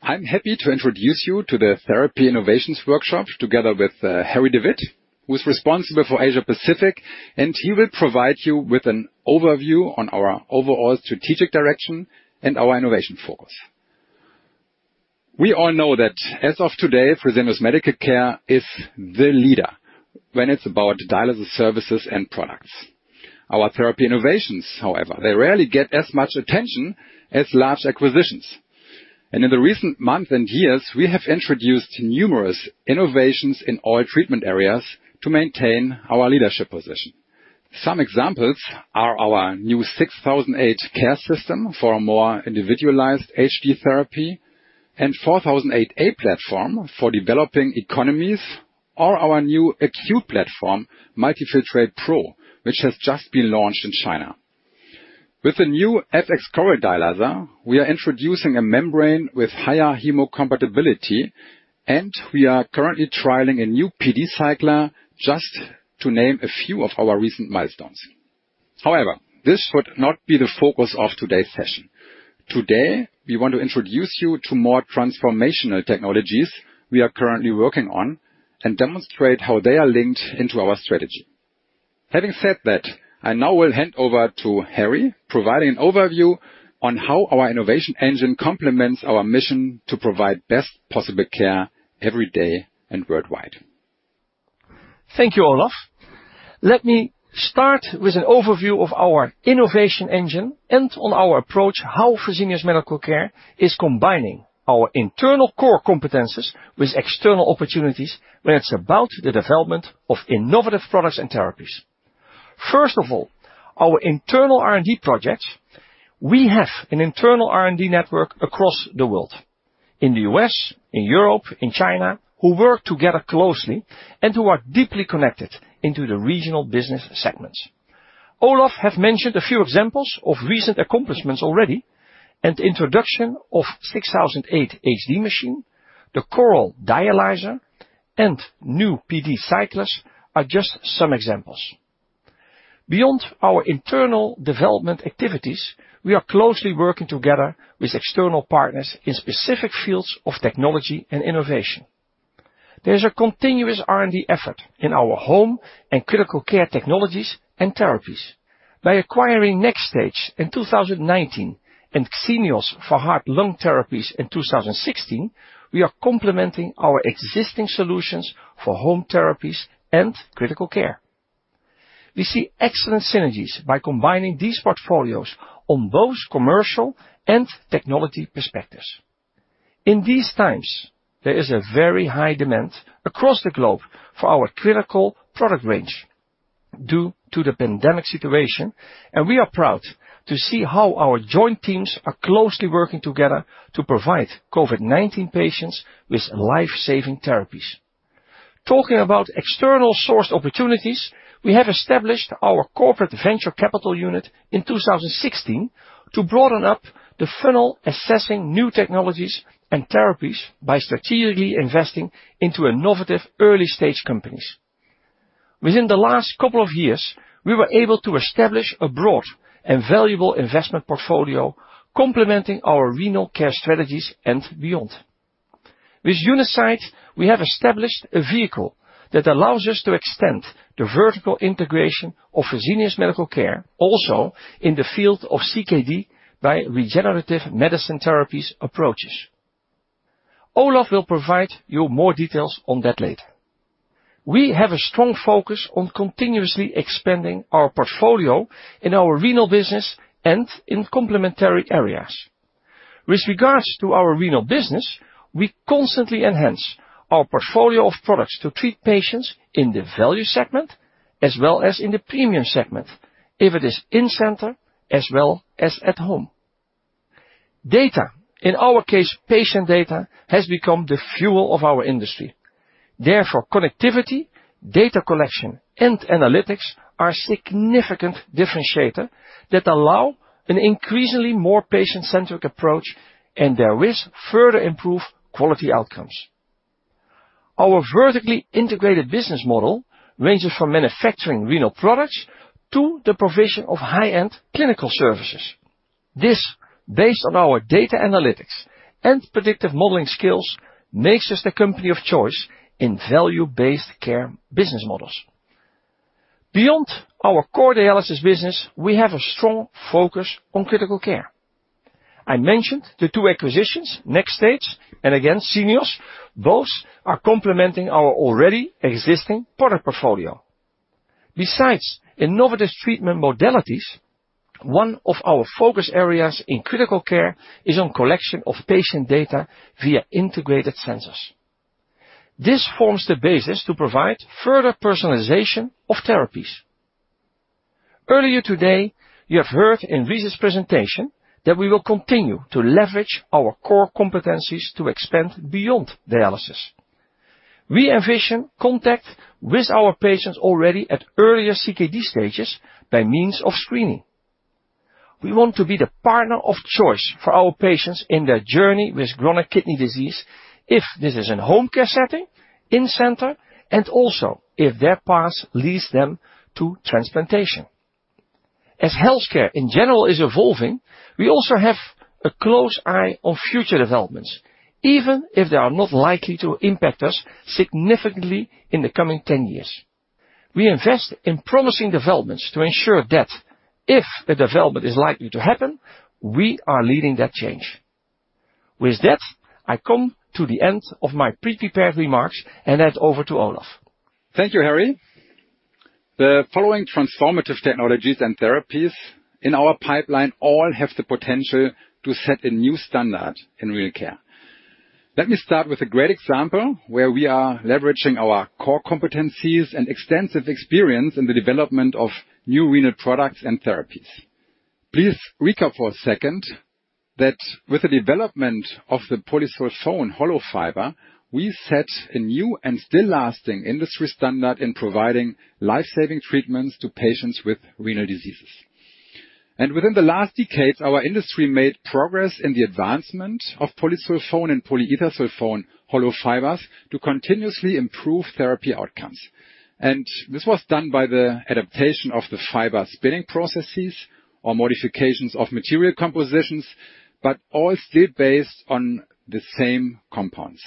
I'm happy to introduce you to the therapy innovations workshop, together with Harry de Wit, who's responsible for Asia Pacific. He will provide you with an overview on our overall strategic direction and our innovation focus. We all know that as of today, Fresenius Medical Care is the leader when it's about dialysis services and products. Our therapy innovations, however, they rarely get as much attention as large acquisitions. In the recent months and years, we have introduced numerous innovations in all treatment areas to maintain our leadership position. Some examples are our new 6008 CAREsystem for a more individualized HD therapy and 4008A platform for developing economies or our new acute platform, multiFiltratePRO, which has just been launched in China. With the new FX CorAL dialyzer, we are introducing a membrane with higher hemocompatibility, and we are currently trialing a new PD cycler just to name a few of our recent milestones. However, this would not be the focus of today's session. Today, we want to introduce you to more transformational technologies we are currently working on and demonstrate how they are linked into our strategy. Having said that, I now will hand over to Harry, providing an overview on how our innovation engine complements our mission to provide best possible care every day and worldwide. Thank you, Olaf. Let me start with an overview of our innovation engine and on our approach how Fresenius Medical Care is combining our internal core competencies with external opportunities when it's about the development of innovative products and therapies. First of all, our internal R&D projects. We have an internal R&D network across the world, in the U.S., in Europe, in China, who work together closely and who are deeply connected into the regional business segments. Olaf have mentioned a few examples of recent accomplishments already, and the introduction of 6008 HD machine, the FX CorAL dialyzer, and new PD cyclers are just some examples. Beyond our internal development activities, we are closely working together with external partners in specific fields of technology and innovation. There is a continuous R&D effort in our home and critical care technologies and therapies. By acquiring NxStage in 2019 and Xenios for heart-lung therapies in 2016, we are complementing our existing solutions for home therapies and critical care. We see excellent synergies by combining these portfolios on both commercial and technology perspectives. In these times, there is a very high demand across the globe for our critical product range due to the pandemic situation, and we are proud to see how our joint teams are closely working together to provide COVID-19 patients with life-saving therapies. Talking about external sourced opportunities, we have established our corporate venture capital unit in 2016 to broaden up the funnel assessing new technologies and therapies by strategically investing into innovative early-stage companies. Within the last couple of years, we were able to establish a broad and valuable investment portfolio complementing our renal care strategies and beyond. With Unicyte, we have established a vehicle that allows us to extend the vertical integration of Fresenius Medical Care also in the field of CKD by regenerative medicine therapies approaches. Olaf will provide you more details on that later. We have a strong focus on continuously expanding our portfolio in our renal business and in complementary areas. With regards to our renal business, we constantly enhance our portfolio of products to treat patients in the value segment as well as in the premium segment, if it is in-center as well as at home. Data, in our case, patient data, has become the fuel of our industry. Therefore, connectivity, data collection and analytics are significant differentiator that allow an increasingly more patient-centric approach and there with further improve quality outcomes. Our vertically integrated business model ranges from manufacturing renal products to the provision of high-end clinical services. This, based on our data analytics and predictive modeling skills, makes us the company of choice in value-based care business models. Beyond our core dialysis business, we have a strong focus on critical care. I mentioned the two acquisitions, NxStage, and again, Xenios, both are complementing our already existing product portfolio. Besides innovative treatment modalities, one of our focus areas in critical care is on collection of patient data via integrated sensors. This forms the basis to provide further personalization of therapies. Earlier today, you have heard in Rice's presentation that we will continue to leverage our core competencies to expand beyond dialysis. We envision contact with our patients already at earlier CKD stages by means of screening. We want to be the partner of choice for our patients in their journey with chronic kidney disease if this is in home care setting, in-center, and also if their path leads them to transplantation. As healthcare in general is evolving, we also have a close eye on future developments, even if they are not likely to impact us significantly in the coming 10 years. We invest in promising developments to ensure that if a development is likely to happen, we are leading that change. With that, I come to the end of my pre-prepared remarks and hand over to Olaf. Thank you, Harry. The following transformative technologies and therapies in our pipeline all have the potential to set a new standard in renal care. Let me start with a great example where we are leveraging our core competencies and extensive experience in the development of new renal products and therapies. Please recap for a second that with the development of the polysulfone hollow fiber, we set a new and still lasting industry standard in providing life-saving treatments to patients with renal diseases. Within the last decades, our industry made progress in the advancement of polysulfone and polyethersulfone hollow fibers to continuously improve therapy outcomes. This was done by the adaptation of the fiber spinning processes or modifications of material compositions, but all still based on the same compounds.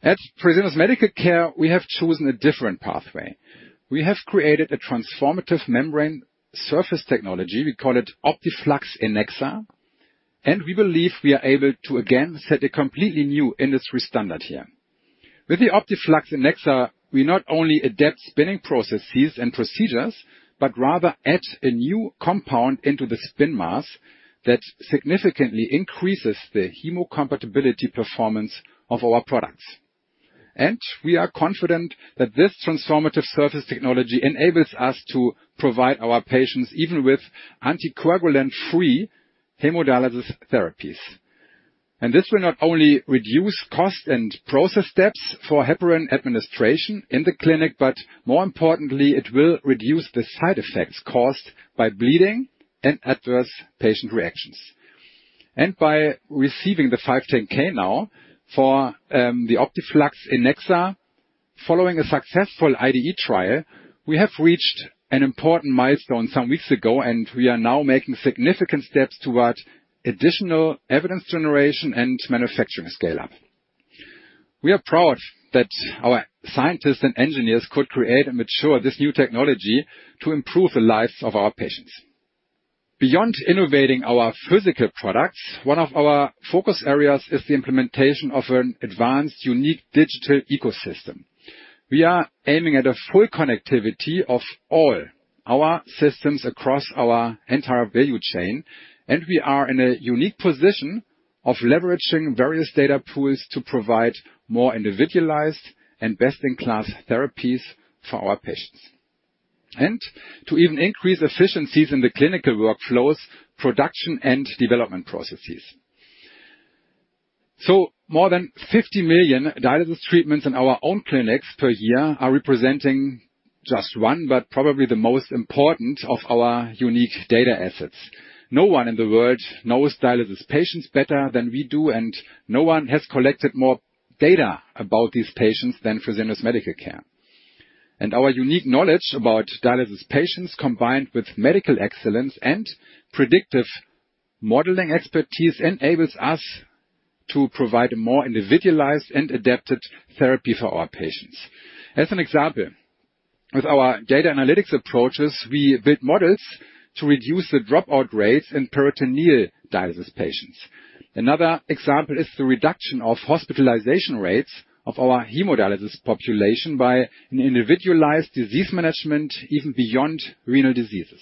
At Fresenius Medical Care, we have chosen a different pathway. We have created a transformative membrane surface technology. We call it OptiFlux ENEXA. We believe we are able to again set a completely new industry standard here. With the OptiFlux ENEXA, we not only adapt spinning processes and procedures, but rather add a new compound into the spin mass that significantly increases the hemocompatibility performance of our products. We are confident that this transformative surface technology enables us to provide our patients even with anticoagulant-free hemodialysis therapies. This will not only reduce cost and process steps for heparin administration in the clinic, but more importantly, it will reduce the side effects caused by bleeding and adverse patient reactions. By receiving the 510(k) now for the OptiFlux ENEXA, following a successful IDE trial, we have reached an important milestone some weeks ago, and we are now making significant steps towards additional evidence generation and manufacturing scale-up. We are proud that our scientists and engineers could create and mature this new technology to improve the lives of our patients. Beyond innovating our physical products, one of our focus areas is the implementation of an advanced, unique digital ecosystem. We are aiming at a full connectivity of all our systems across our entire value chain. We are in a unique position of leveraging various data pools to provide more individualized and best-in-class therapies for our patients. To even increase efficiencies in the clinical workflows, production, and development processes. More than 50 million dialysis treatments in our own clinics per year are representing just one, but probably the most important of our unique data assets. No one in the world knows dialysis patients better than we do, and no one has collected more data about these patients than Fresenius Medical Care. Our unique knowledge about dialysis patients, combined with medical excellence and predictive modeling expertise, enables us to provide a more individualized and adapted therapy for our patients. As an example, with our data analytics approaches, we build models to reduce the dropout rates in peritoneal dialysis patients. Another example is the reduction of hospitalization rates of our hemodialysis population by an individualized disease management, even beyond renal diseases.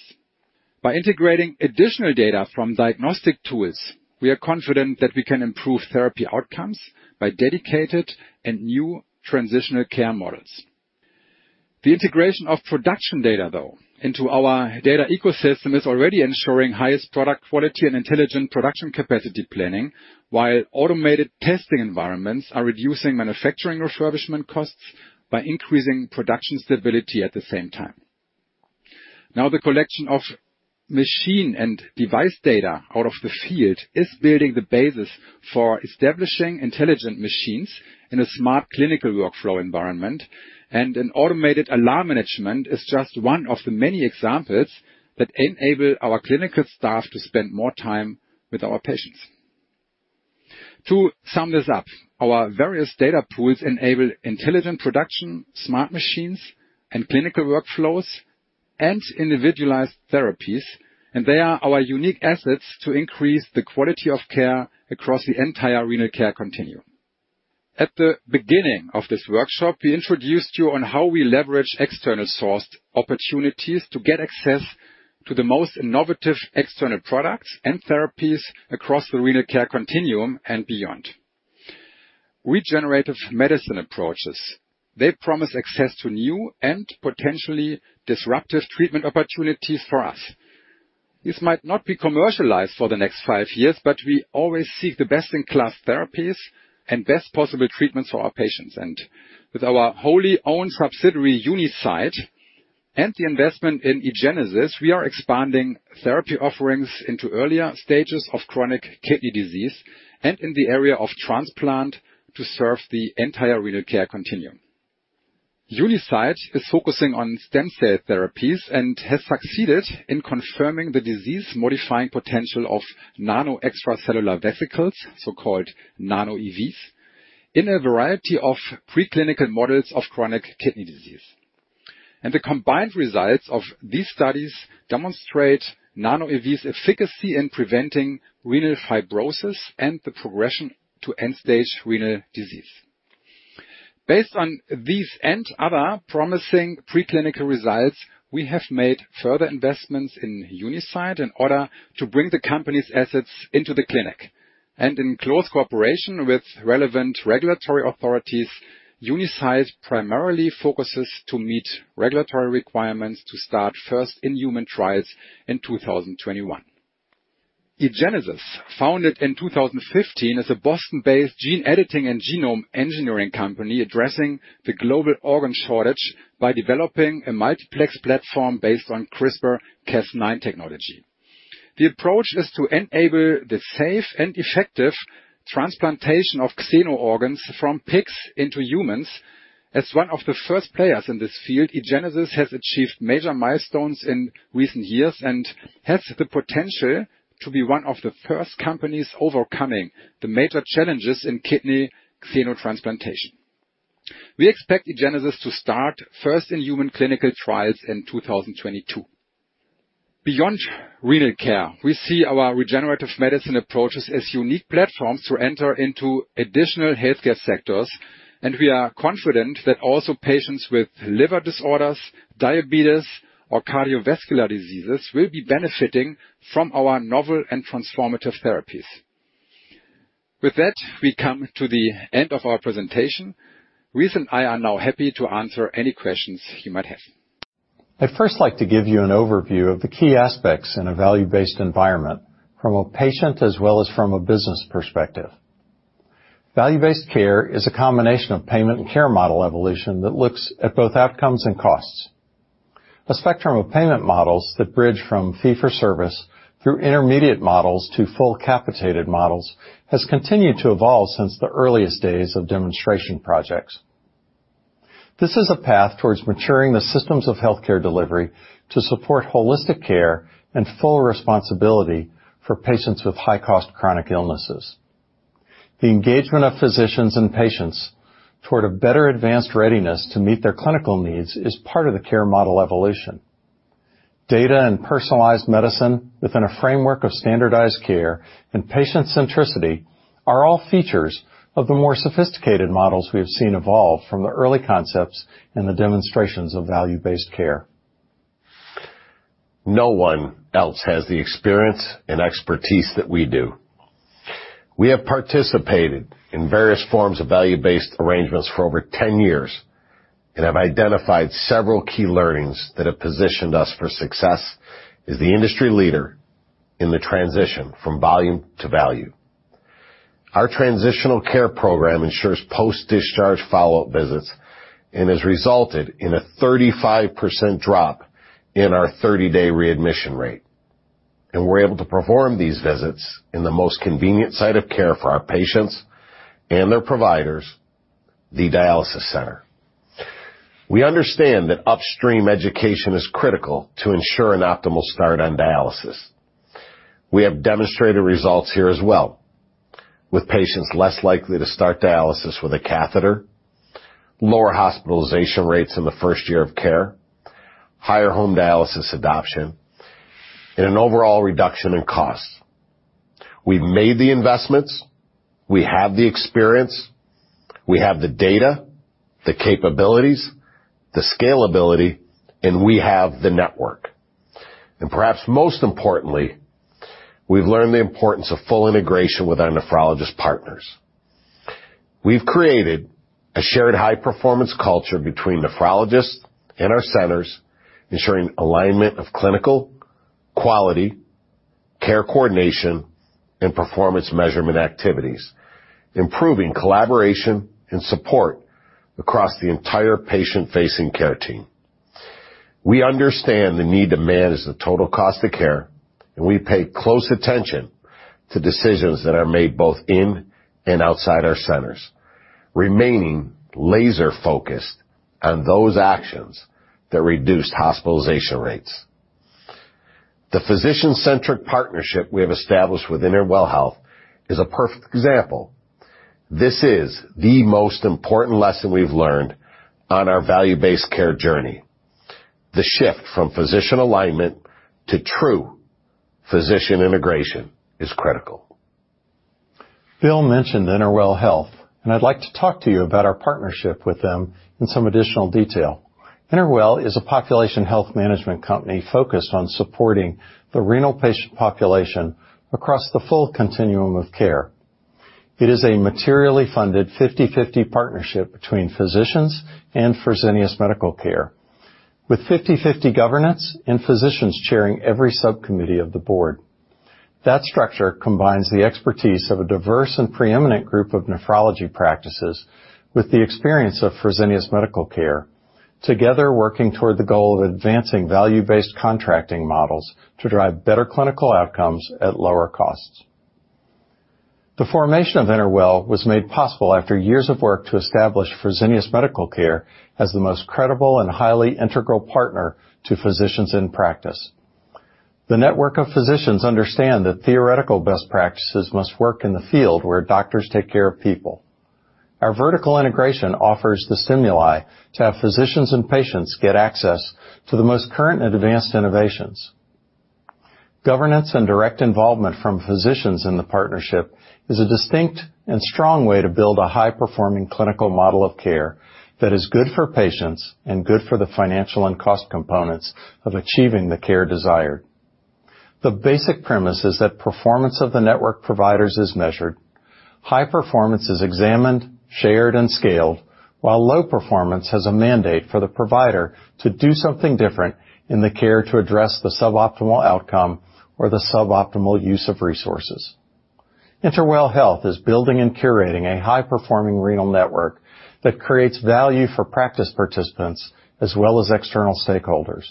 By integrating additional data from diagnostic tools, we are confident that we can improve therapy outcomes by dedicated and new transitional care models. The integration of production data, though, into our data ecosystem is already ensuring highest product quality and intelligent production capacity planning, while automated testing environments are reducing manufacturing refurbishment costs by increasing production stability at the same time. Now the collection of machine and device data out of the field is building the basis for establishing intelligent machines in a smart clinical workflow environment, and an automated alarm management is just one of the many examples that enable our clinical staff to spend more time with our patients. To sum this up, our various data pools enable intelligent production, smart machines, and clinical workflows, and individualized therapies, and they are our unique assets to increase the quality of care across the entire renal care continuum. At the beginning of this workshop, we introduced you on how we leverage external sourced opportunities to get access to the most innovative external products and therapies across the renal care continuum and beyond. Regenerative medicine approaches, they promise access to new and potentially disruptive treatment opportunities for us. This might not be commercialized for the next five years, but we always seek the best-in-class therapies and best possible treatments for our patients. With our wholly-owned subsidiary, Unicyte, and the investment in eGenesis, we are expanding therapy offerings into earlier stages of chronic kidney disease and in the area of transplant to serve the entire renal care continuum. Unicyte is focusing on stem cell therapies and has succeeded in confirming the disease-modifying potential of nano extracellular vesicles, so-called nanoEVs, in a variety of preclinical models of chronic kidney disease. The combined results of these studies demonstrate nanoEVs efficacy in preventing renal fibrosis and the progression to end-stage renal disease. Based on these and other promising preclinical results, we have made further investments in Unicyte in order to bring the company's assets into the clinic. In close cooperation with relevant regulatory authorities, Unicyte primarily focuses to meet regulatory requirements to start first in human trials in 2021. eGenesis, founded in 2015, is a Boston-based gene editing and genome engineering company addressing the global organ shortage by developing a multiplex platform based on CRISPR-Cas9 technology. The approach is to enable the safe and effective transplantation of xeno organs from pigs into humans. As one of the first players in this field, eGenesis has achieved major milestones in recent years and has the potential to be one of the first companies overcoming the major challenges in kidney xenotransplantation. We expect eGenesis to start first in human clinical trials in 2022. Beyond renal care, we see our regenerative medicine approaches as unique platforms to enter into additional healthcare sectors, and we are confident that also patients with liver disorders, diabetes, or cardiovascular diseases will be benefiting from our novel and transformative therapies. With that, we come to the end of our presentation. Rice and I are now happy to answer any questions you might have. I'd first like to give you an overview of the key aspects in a value-based environment from a patient as well as from a business perspective. Value-based care is a combination of payment and care model evolution that looks at both outcomes and costs. A spectrum of payment models that bridge from fee-for-service through intermediate models to full capitated models has continued to evolve since the earliest days of demonstration projects. This is a path towards maturing the systems of healthcare delivery to support holistic care and full responsibility for patients with high-cost chronic illnesses. The engagement of physicians and patients toward a better advanced readiness to meet their clinical needs is part of the care model evolution. Data and personalized medicine within a framework of standardized care and patient centricity are all features of the more sophisticated models we have seen evolve from the early concepts and the demonstrations of value-based care. No one else has the experience and expertise that we do. We have participated in various forms of value-based arrangements for over 10 years and have identified several key learnings that have positioned us for success as the industry leader in the transition from volume to value. Our Transitional Care Program ensures post-discharge follow-up visits and has resulted in a 35% drop in our 30-day readmission rate. We're able to perform these visits in the most convenient site of care for our patients and their providers, the dialysis center. We understand that upstream education is critical to ensure an optimal start on dialysis. We have demonstrated results here as well, with patients less likely to start dialysis with a catheter, lower hospitalization rates in the first year of care, higher home dialysis adoption, and an overall reduction in costs. We've made the investments, we have the experience, we have the data, the capabilities, the scalability, and we have the network. Perhaps most importantly, we've learned the importance of full integration with our nephrologist partners. We've created a shared high-performance culture between nephrologists and our centers, ensuring alignment of clinical, quality, care coordination, and performance measurement activities, improving collaboration and support across the entire patient-facing care team. We understand the need to manage the total cost of care, and we pay close attention to decisions that are made both in and outside our centers, remaining laser-focused on those actions that reduced hospitalization rates. The physician-centric partnership we have established with InterWell Health is a perfect example. This is the most important lesson we've learned on our value-based care journey. The shift from physician alignment to true physician integration is critical. Bill mentioned InterWell Health. I'd like to talk to you about our partnership with them in some additional detail. InterWell is a population health management company focused on supporting the renal patient population across the full continuum of care. It is a materially funded 50/50 partnership between physicians and Fresenius Medical Care, with 50/50 governance and physicians chairing every subcommittee of the board. That structure combines the expertise of a diverse and preeminent group of nephrology practices with the experience of Fresenius Medical Care, together, working toward the goal of advancing value-based contracting models to drive better clinical outcomes at lower costs. The formation of InterWell was made possible after years of work to establish Fresenius Medical Care as the most credible and highly integral partner to physicians in practice. The network of physicians understand that theoretical best practices must work in the field where doctors take care of people. Our vertical integration offers the stimuli to have physicians and patients get access to the most current and advanced innovations. Governance and direct involvement from physicians in the partnership is a distinct and strong way to build a high-performing clinical model of care that is good for patients and good for the financial and cost components of achieving the care desired. The basic premise is that performance of the network providers is measured. High performance is examined, shared, and scaled, while low performance has a mandate for the provider to do something different in the care to address the suboptimal outcome or the suboptimal use of resources. InterWell Health is building and curating a high-performing renal network that creates value for practice participants as well as external stakeholders.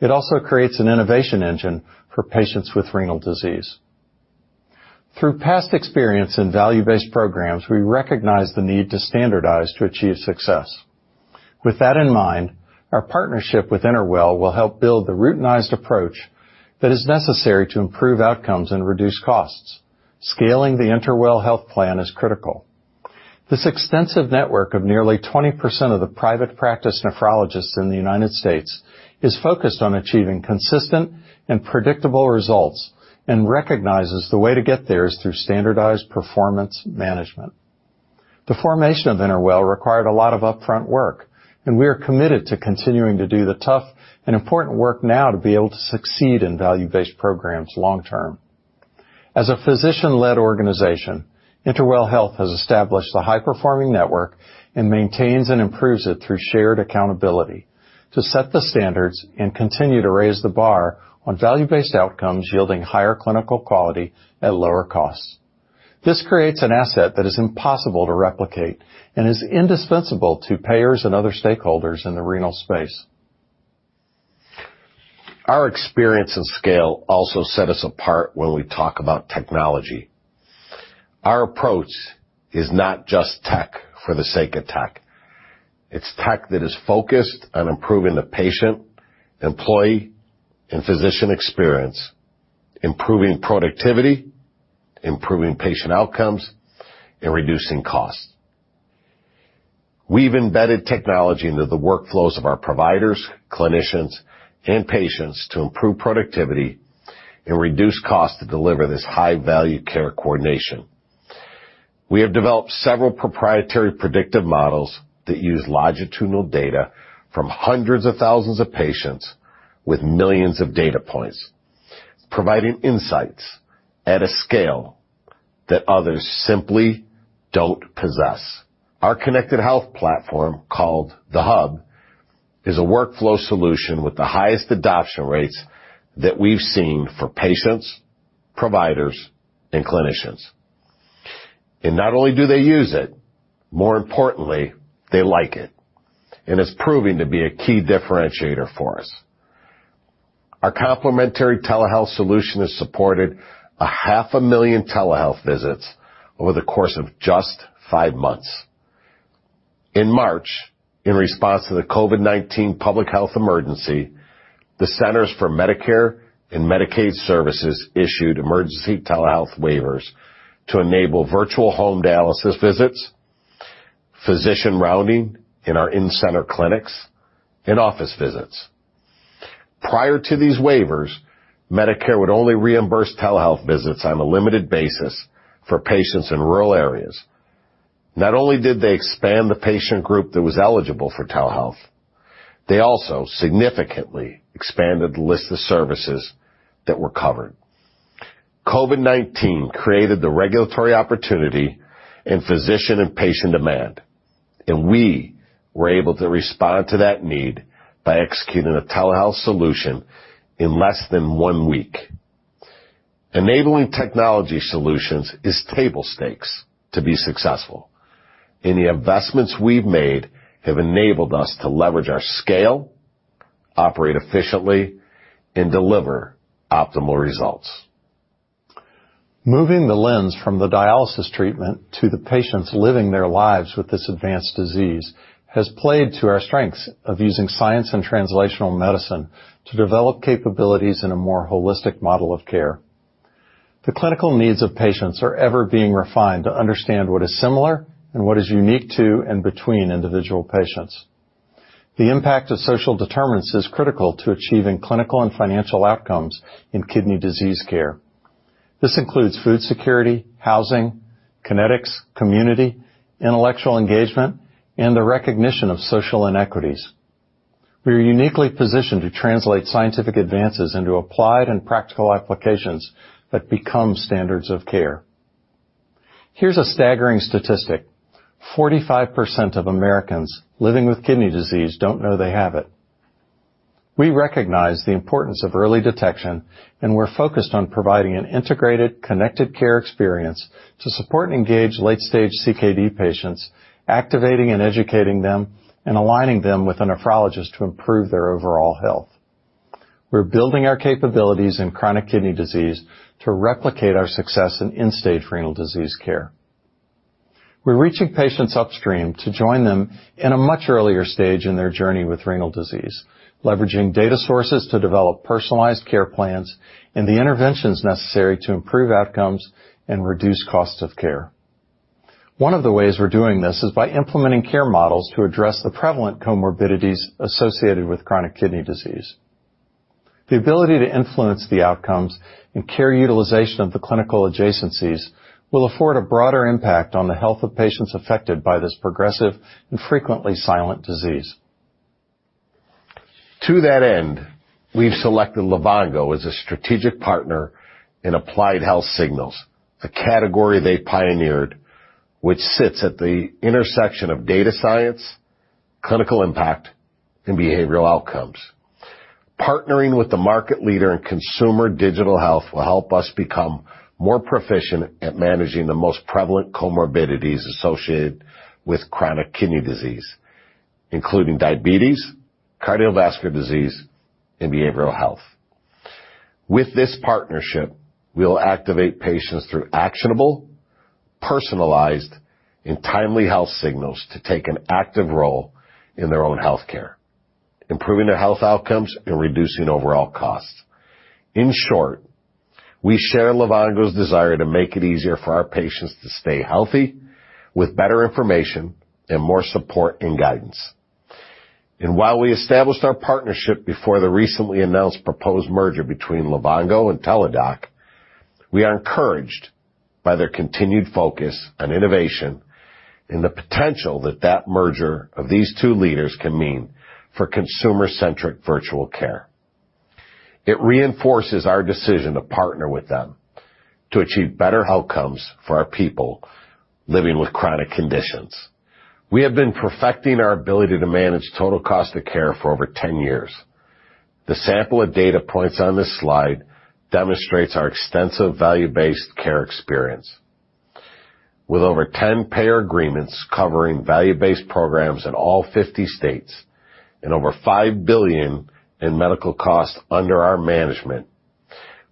It also creates an innovation engine for patients with renal disease. Through past experience in value-based programs, we recognize the need to standardize to achieve success. With that in mind, our partnership with InterWell will help build the routinized approach that is necessary to improve outcomes and reduce costs. Scaling the InterWell Health plan is critical. This extensive network of nearly 20% of the private practice nephrologists in the U.S. is focused on achieving consistent and predictable results and recognizes the way to get there is through standardized performance management. The formation of InterWell required a lot of upfront work. We are committed to continuing to do the tough and important work now to be able to succeed in value-based programs long term. As a physician-led organization, InterWell Health has established a high-performing network and maintains and improves it through shared accountability to set the standards and continue to raise the bar on value-based outcomes, yielding higher clinical quality at lower costs. This creates an asset that is impossible to replicate and is indispensable to payers and other stakeholders in the renal space. Our experience and scale also set us apart when we talk about technology. Our approach is not just tech for the sake of tech. It's tech that is focused on improving the patient, employee, and physician experience, improving productivity, improving patient outcomes, and reducing costs. We've embedded technology into the workflows of our providers, clinicians, and patients to improve productivity and reduce costs to deliver this high-value care coordination. We have developed several proprietary predictive models that use longitudinal data from hundreds of thousands of patients with millions of data points, providing insights at a scale that others simply don't possess. Our connected health platform, called The Hub, is a workflow solution with the highest adoption rates that we've seen for patients, providers, and clinicians. Not only do they use it, more importantly, they like it, and it's proving to be a key differentiator for us. Our complementary telehealth solution has supported a 500,000 telehealth visits over the course of just five months. In March, in response to the COVID-19 public health emergency, the Centers for Medicare & Medicaid Services issued emergency telehealth waivers to enable virtual home dialysis visits, physician rounding in our in-center clinics, and office visits. Prior to these waivers, Medicare would only reimburse telehealth visits on a limited basis for patients in rural areas. Not only did they expand the patient group that was eligible for telehealth, they also significantly expanded the list of services that were covered. COVID-19 created the regulatory opportunity and physician and patient demand. We were able to respond to that need by executing a telehealth solution in less than one week. Enabling technology solutions is table stakes to be successful. The investments we've made have enabled us to leverage our scale, operate efficiently, and deliver optimal results. Moving the lens from the dialysis treatment to the patients living their lives with this advanced disease has played to our strengths of using science and translational medicine to develop capabilities in a more holistic model of care. The clinical needs of patients are ever being refined to understand what is similar and what is unique to and between individual patients. The impact of social determinants is critical to achieving clinical and financial outcomes in kidney disease care. This includes food security, housing, kinetics, community, intellectual engagement, and the recognition of social inequities. We are uniquely positioned to translate scientific advances into applied and practical applications that become standards of care. Here's a staggering statistic: 45% of Americans living with kidney disease don't know they have it. We recognize the importance of early detection, and we're focused on providing an integrated, connected care experience to support and engage late-stage CKD patients, activating and educating them, and aligning them with a nephrologist to improve their overall health. We're building our capabilities in chronic kidney disease to replicate our success in end-stage renal disease care. We're reaching patients upstream to join them in a much earlier stage in their journey with renal disease, leveraging data sources to develop personalized care plans and the interventions necessary to improve outcomes and reduce costs of care. One of the ways we're doing this is by implementing care models to address the prevalent comorbidities associated with chronic kidney disease. The ability to influence the outcomes and care utilization of the clinical adjacencies will afford a broader impact on the health of patients affected by this progressive and frequently silent disease. To that end, we've selected Livongo as a strategic partner in Applied Health Signals, a category they pioneered, which sits at the intersection of data science, clinical impact, and behavioral outcomes. Partnering with the market leader in consumer digital health will help us become more proficient at managing the most prevalent comorbidities associated with chronic kidney disease, including diabetes, cardiovascular disease, and behavioral health. With this partnership, we'll activate patients through actionable, personalized, and timely health signals to take an active role in their own healthcare, improving their health outcomes and reducing overall costs. In short, we share Livongo's desire to make it easier for our patients to stay healthy with better information and more support and guidance. While we established our partnership before the recently announced proposed merger between Livongo Health and Teladoc, we are encouraged by their continued focus on innovation and the potential that that merger of these two leaders can mean for consumer-centric virtual care. It reinforces our decision to partner with them to achieve better outcomes for our people living with chronic conditions. We have been perfecting our ability to manage total cost of care for over 10 years. The sample of data points on this slide demonstrates our extensive value-based care experience. With over 10 payer agreements covering value-based programs in all 50 states and over 5 billion in medical costs under our management,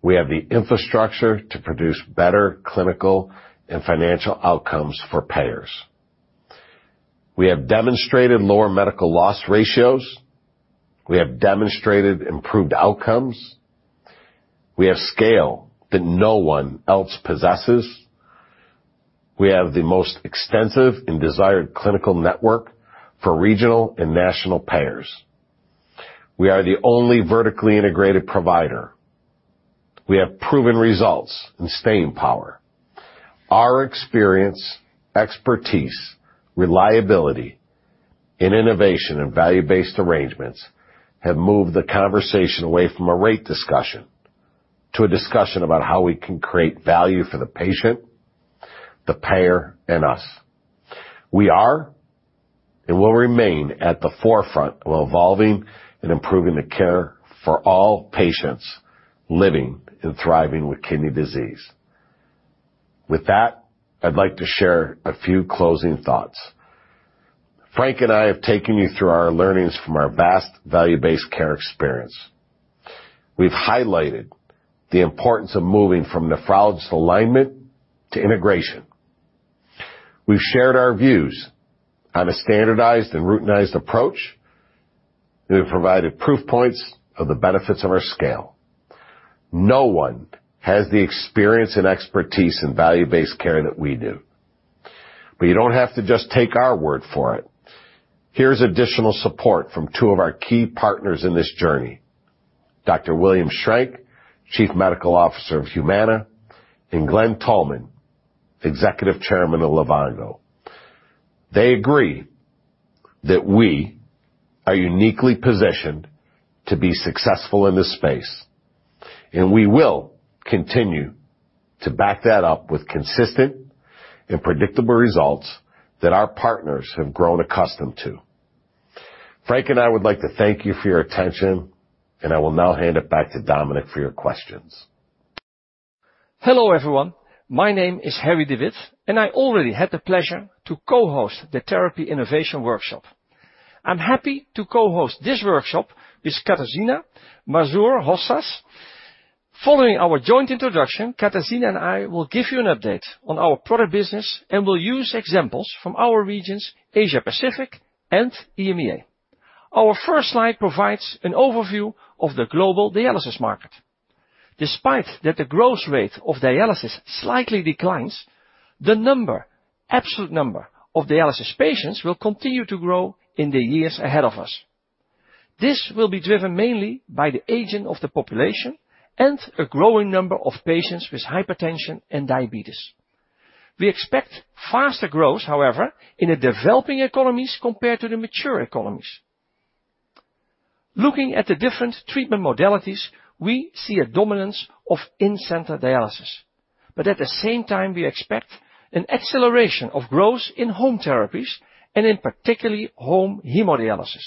we have the infrastructure to produce better clinical and financial outcomes for payers. We have demonstrated lower medical loss ratios. We have demonstrated improved outcomes. We have scale that no one else possesses. We have the most extensive and desired clinical network for regional and national payers. We are the only vertically integrated provider. We have proven results and staying power. Our experience, expertise, reliability, and innovation in value-based arrangements have moved the conversation away from a rate discussion to a discussion about how we can create value for the patient, the payer, and us. It will remain at the forefront while evolving and improving the care for all patients living and thriving with kidney disease. With that, I'd like to share a few closing thoughts. Frank and I have taken you through our learnings from our vast value-based care experience. We've highlighted the importance of moving from nephrologist alignment to integration. We've shared our views on a standardized and routinized approach. We have provided proof points of the benefits of our scale. No one has the experience and expertise in value-based care that we do. You don't have to just take our word for it. Here's additional support from two of our key partners in this journey, Dr. William Shrank, Chief Medical Officer of Humana, and Glen Tullman, Executive Chairman of Livongo. They agree that we are uniquely positioned to be successful in this space, and we will continue to back that up with consistent and predictable results that our partners have grown accustomed to. Frank and I would like to thank you for your attention, and I will now hand it back to Dominik for your questions. Hello, everyone. My name is Harry de Wit, and I already had the pleasure to co-host the Therapy Innovation Workshop. I'm happy to co-host this workshop with Katarzyna Mazur-Hofsäß. Following our joint introduction, Katarzyna and I will give you an update on our product business and will use examples from our regions, Asia-Pacific and EMEA. Our first slide provides an overview of the global dialysis market. Despite that the growth rate of dialysis slightly declines, the absolute number of dialysis patients will continue to grow in the years ahead of us. This will be driven mainly by the aging of the population and a growing number of patients with hypertension and diabetes. We expect faster growth, however, in the developing economies compared to the mature economies. Looking at the different treatment modalities, we see a dominance of in-center dialysis, but at the same time, we expect an acceleration of growth in home therapies and in particular home hemodialysis.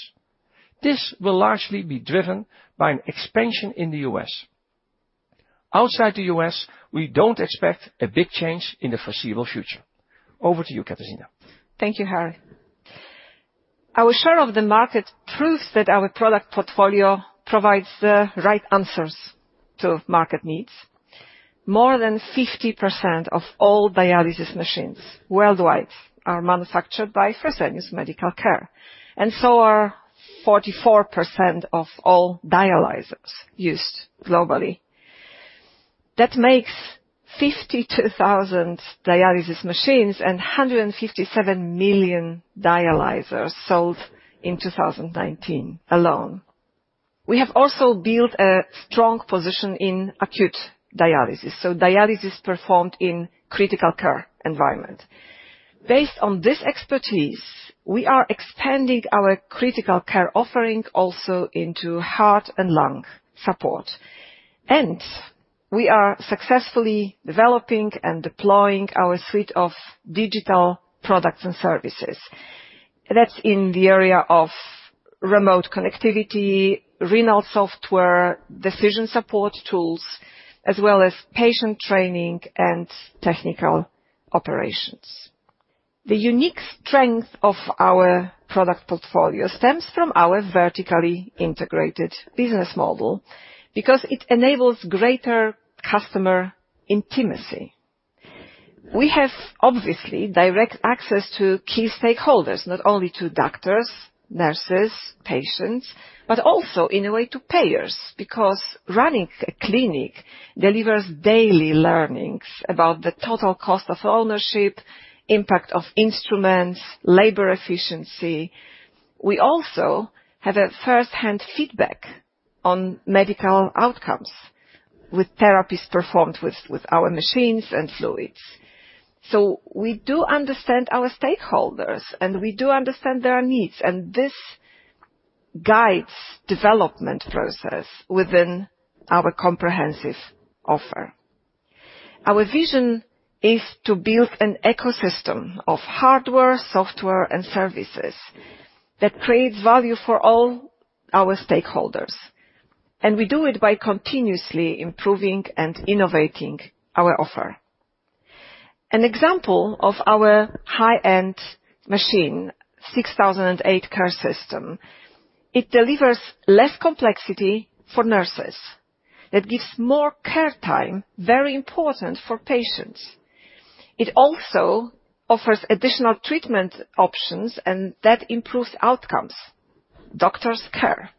This will largely be driven by an expansion in the U.S. Outside the U.S., we don't expect a big change in the foreseeable future. Over to you, Katarzyna. Thank you, Harry. Our share of the market proves that our product portfolio provides the right answers to market needs. More than 50% of all dialysis machines worldwide are manufactured by Fresenius Medical Care, and so are 44% of all dialyzers used globally. That makes 52,000 dialysis machines and 157 million dialyzers sold in 2019 alone. We have also built a strong position in acute dialysis, so dialysis performed in critical care environment. Based on this expertise, we are expanding our critical care offering also into heart and lung support. We are successfully developing and deploying our suite of digital products and services. That's in the area of remote connectivity, renal software, decision support tools, as well as patient training and technical operations. The unique strength of our product portfolio stems from our vertically integrated business model because it enables greater customer intimacy. We have obviously direct access to key stakeholders, not only to doctors, nurses, patients, but also in a way to payers, because running a clinic delivers daily learnings about the total cost of ownership, impact of instruments, labor efficiency. We also have a first-hand feedback on medical outcomes with therapies performed with our machines and fluids. We do understand our stakeholders, and we do understand their needs, and this guides development process within our comprehensive offer. Our vision is to build an ecosystem of hardware, software, and services that creates value for all our stakeholders, and we do it by continuously improving and innovating our offer. An example of our high-end machine, 6008 CAREsystem. It delivers less complexity for nurses. That gives more care time, very important for patients. It also offers additional treatment options and that improves outcomes. Doctors care.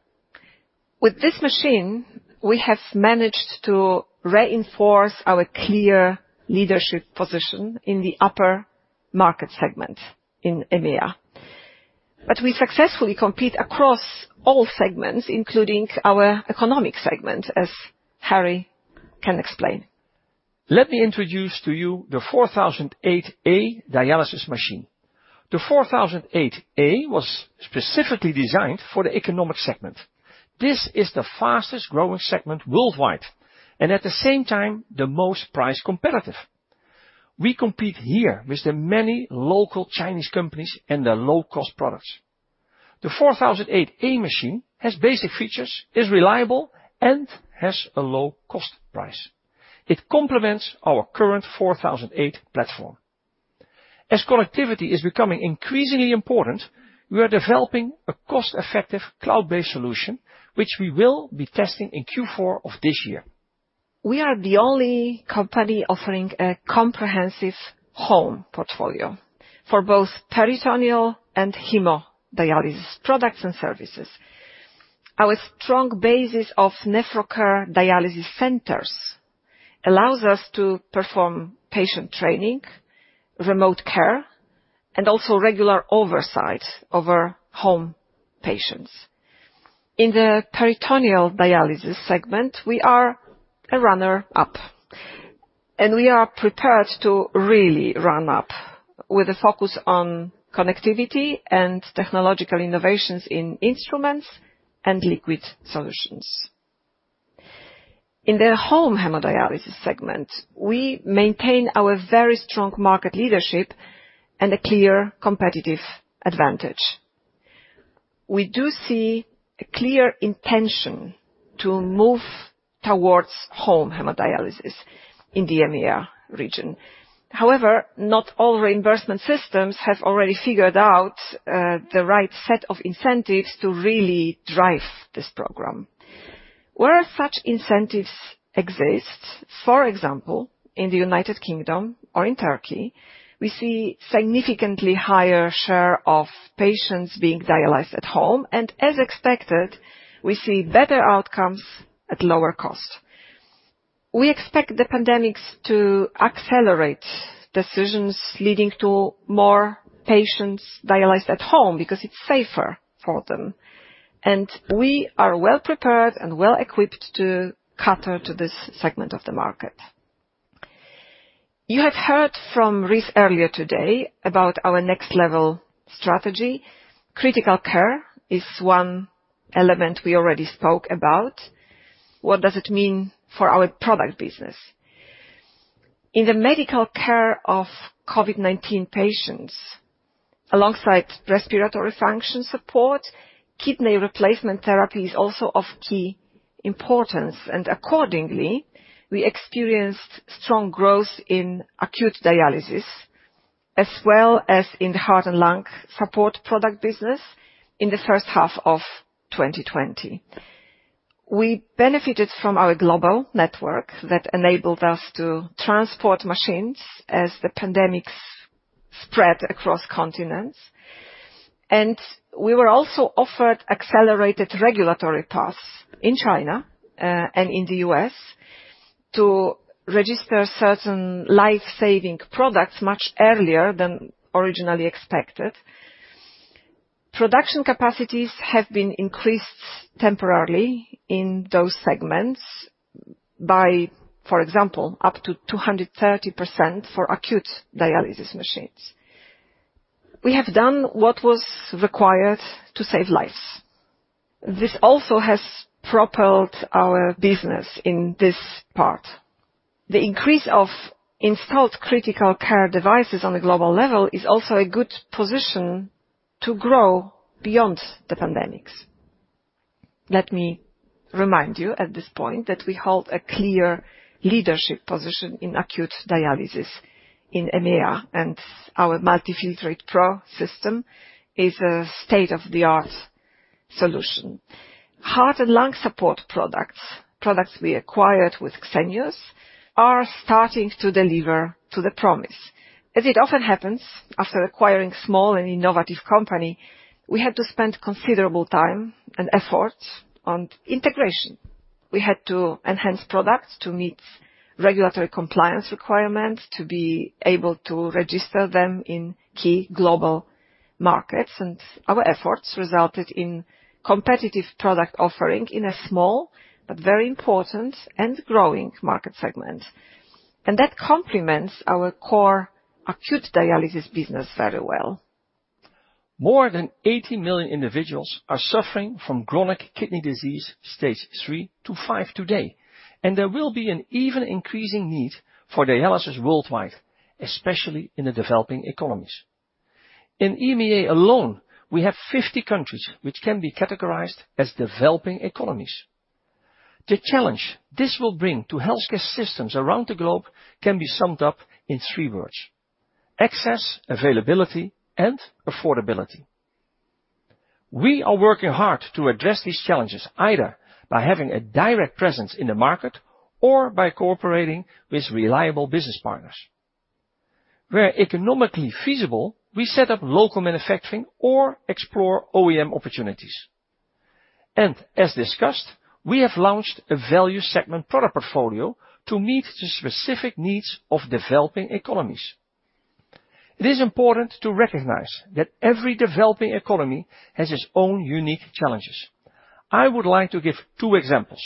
With this machine, we have managed to reinforce our clear leadership position in the upper market segment in EMEA. We successfully compete across all segments, including our economic segment, as Harry can explain. Let me introduce to you the 4008A dialysis machine. The 4008A was specifically designed for the economic segment. This is the fastest growing segment worldwide, and at the same time, the most price competitive. We compete here with the many local Chinese companies and their low-cost products. The 4008A machine has basic features, is reliable, and has a low cost price. It complements our current 4008 platform. As connectivity is becoming increasingly important, we are developing a cost-effective cloud-based solution, which we will be testing in Q4 of this year. We are the only company offering a comprehensive home portfolio for both peritoneal and hemodialysis products and services. Our strong basis of NephroCare dialysis centers allows us to perform patient training, remote care, and also regular oversight over home patients. In the peritoneal dialysis segment, we are a runner-up, and we are prepared to really ramp up with a focus on connectivity and technological innovations in instruments and liquid solutions. In the home hemodialysis segment, we maintain our very strong market leadership and a clear competitive advantage. We do see a clear intention to move towards home hemodialysis in the EMEA region. However, not all reimbursement systems have already figured out the right set of incentives to really drive this program. Where such incentives exist, for example, in the U.K. or in Turkey, we see significantly higher share of patients being dialyzed at home, and as expected, we see better outcomes at lower cost. We expect the pandemic to accelerate decisions leading to more patients dialyzed at home because it's safer for them. We are well-prepared and well-equipped to cater to this segment of the market. You have heard from Rice earlier today about our next level strategy. Critical care is one element we already spoke about. What does it mean for our product business? In the medical care of COVID-19 patients, alongside respiratory function support, kidney replacement therapy is also of key importance. Accordingly, we experienced strong growth in acute dialysis, as well as in the heart and lung support product business in the first half of 2020. We benefited from our global network that enabled us to transport machines as the pandemics spread across continents. We were also offered accelerated regulatory paths in China and in the U.S. to register certain life-saving products much earlier than originally expected. Production capacities have been increased temporarily in those segments by, for example, up to 230% for acute dialysis machines. We have done what was required to save lives. This also has propelled our business in this part. The increase of installed critical care devices on a global level is also a good position to grow beyond the pandemics. Let me remind you at this point that we hold a clear leadership position in acute dialysis in EMEA, and our multiFiltratePRO system is a state-of-the-art solution. Heart and lung support products we acquired with Xenios, are starting to deliver to the promise. As it often happens after acquiring small and innovative company, we had to spend considerable time and effort on integration. We had to enhance products to meet regulatory compliance requirements to be able to register them in key global markets, and our efforts resulted in competitive product offering in a small but very important and growing market segment, and that complements our core acute dialysis business very well. More than 80 million individuals are suffering from chronic kidney disease stage 3 to stage 5 today, and there will be an even increasing need for dialysis worldwide, especially in the developing economies. In EMEA alone, we have 50 countries which can be categorized as developing economies. The challenge this will bring to healthcare systems around the globe can be summed up in three words: access, availability, and affordability. We are working hard to address these challenges, either by having a direct presence in the market or by cooperating with reliable business partners. Where economically feasible, we set up local manufacturing or explore OEM opportunities. As discussed, we have launched a value segment product portfolio to meet the specific needs of developing economies. It is important to recognize that every developing economy has its own unique challenges. I would like to give two examples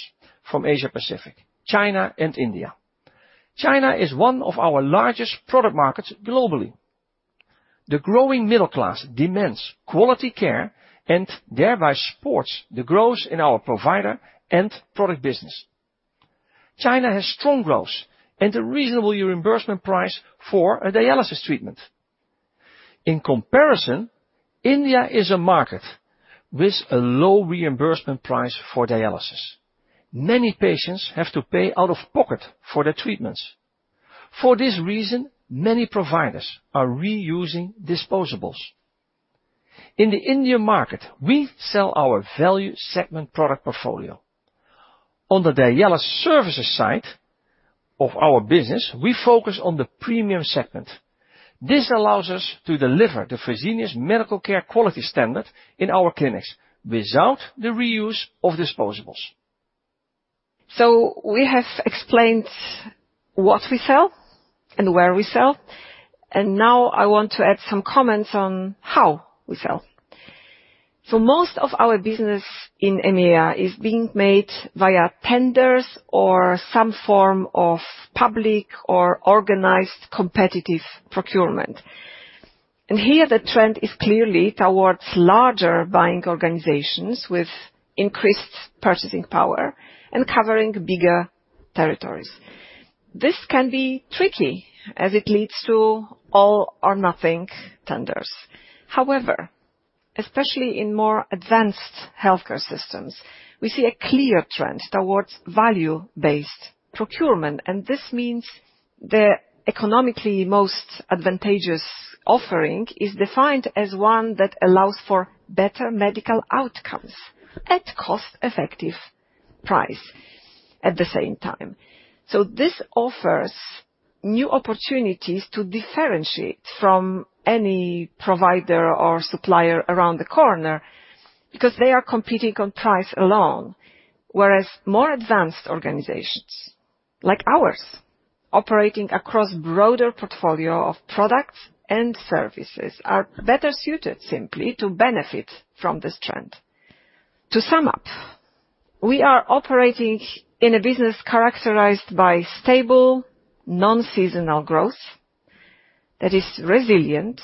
from Asia-Pacific, China and India. China is one of our largest product markets globally. The growing middle class demands quality care and thereby supports the growth in our provider and product business. China has strong growth and a reasonable reimbursement price for a dialysis treatment. In comparison, India is a market with a low reimbursement price for dialysis. Many patients have to pay out of pocket for their treatments. For this reason, many providers are reusing disposables. In the Indian market, we sell our value segment product portfolio. On the dialysis services side of our business, we focus on the premium segment. This allows us to deliver the Fresenius Medical Care quality standard in our clinics without the reuse of disposables. We have explained what we sell and where we sell, now I want to add some comments on how we sell. Most of our business in EMEA is being made via tenders or some form of public or organized competitive procurement. Here the trend is clearly towards larger buying organizations with increased purchasing power and covering bigger territories. This can be tricky as it leads to all or nothing tenders. However, especially in more advanced healthcare systems, we see a clear trend towards value-based procurement, this means the economically most advantageous offering is defined as one that allows for better medical outcomes at cost-effective price at the same time. This offers new opportunities to differentiate from any provider or supplier around the corner because they are competing on price alone. More advanced organizations like ours, operating across broader portfolio of products and services, are better suited simply to benefit from this trend. To sum up, we are operating in a business characterized by stable, non-seasonal growth that is resilient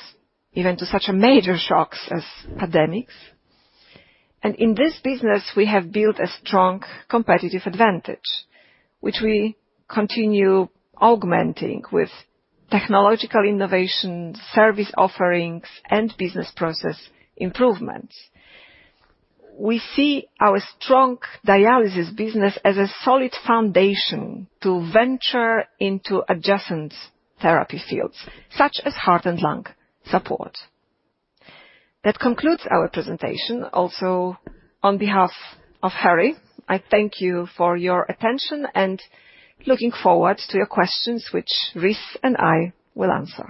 even to such major shocks as pandemics. In this business, we have built a strong competitive advantage, which we continue augmenting with technological innovation, service offerings, and business process improvements. We see our strong dialysis business as a solid foundation to venture into adjacent therapy fields such as heart and lung support. That concludes our presentation. Also, on behalf of Harry, I thank you for your attention and looking forward to your questions, which Rice and I will answer.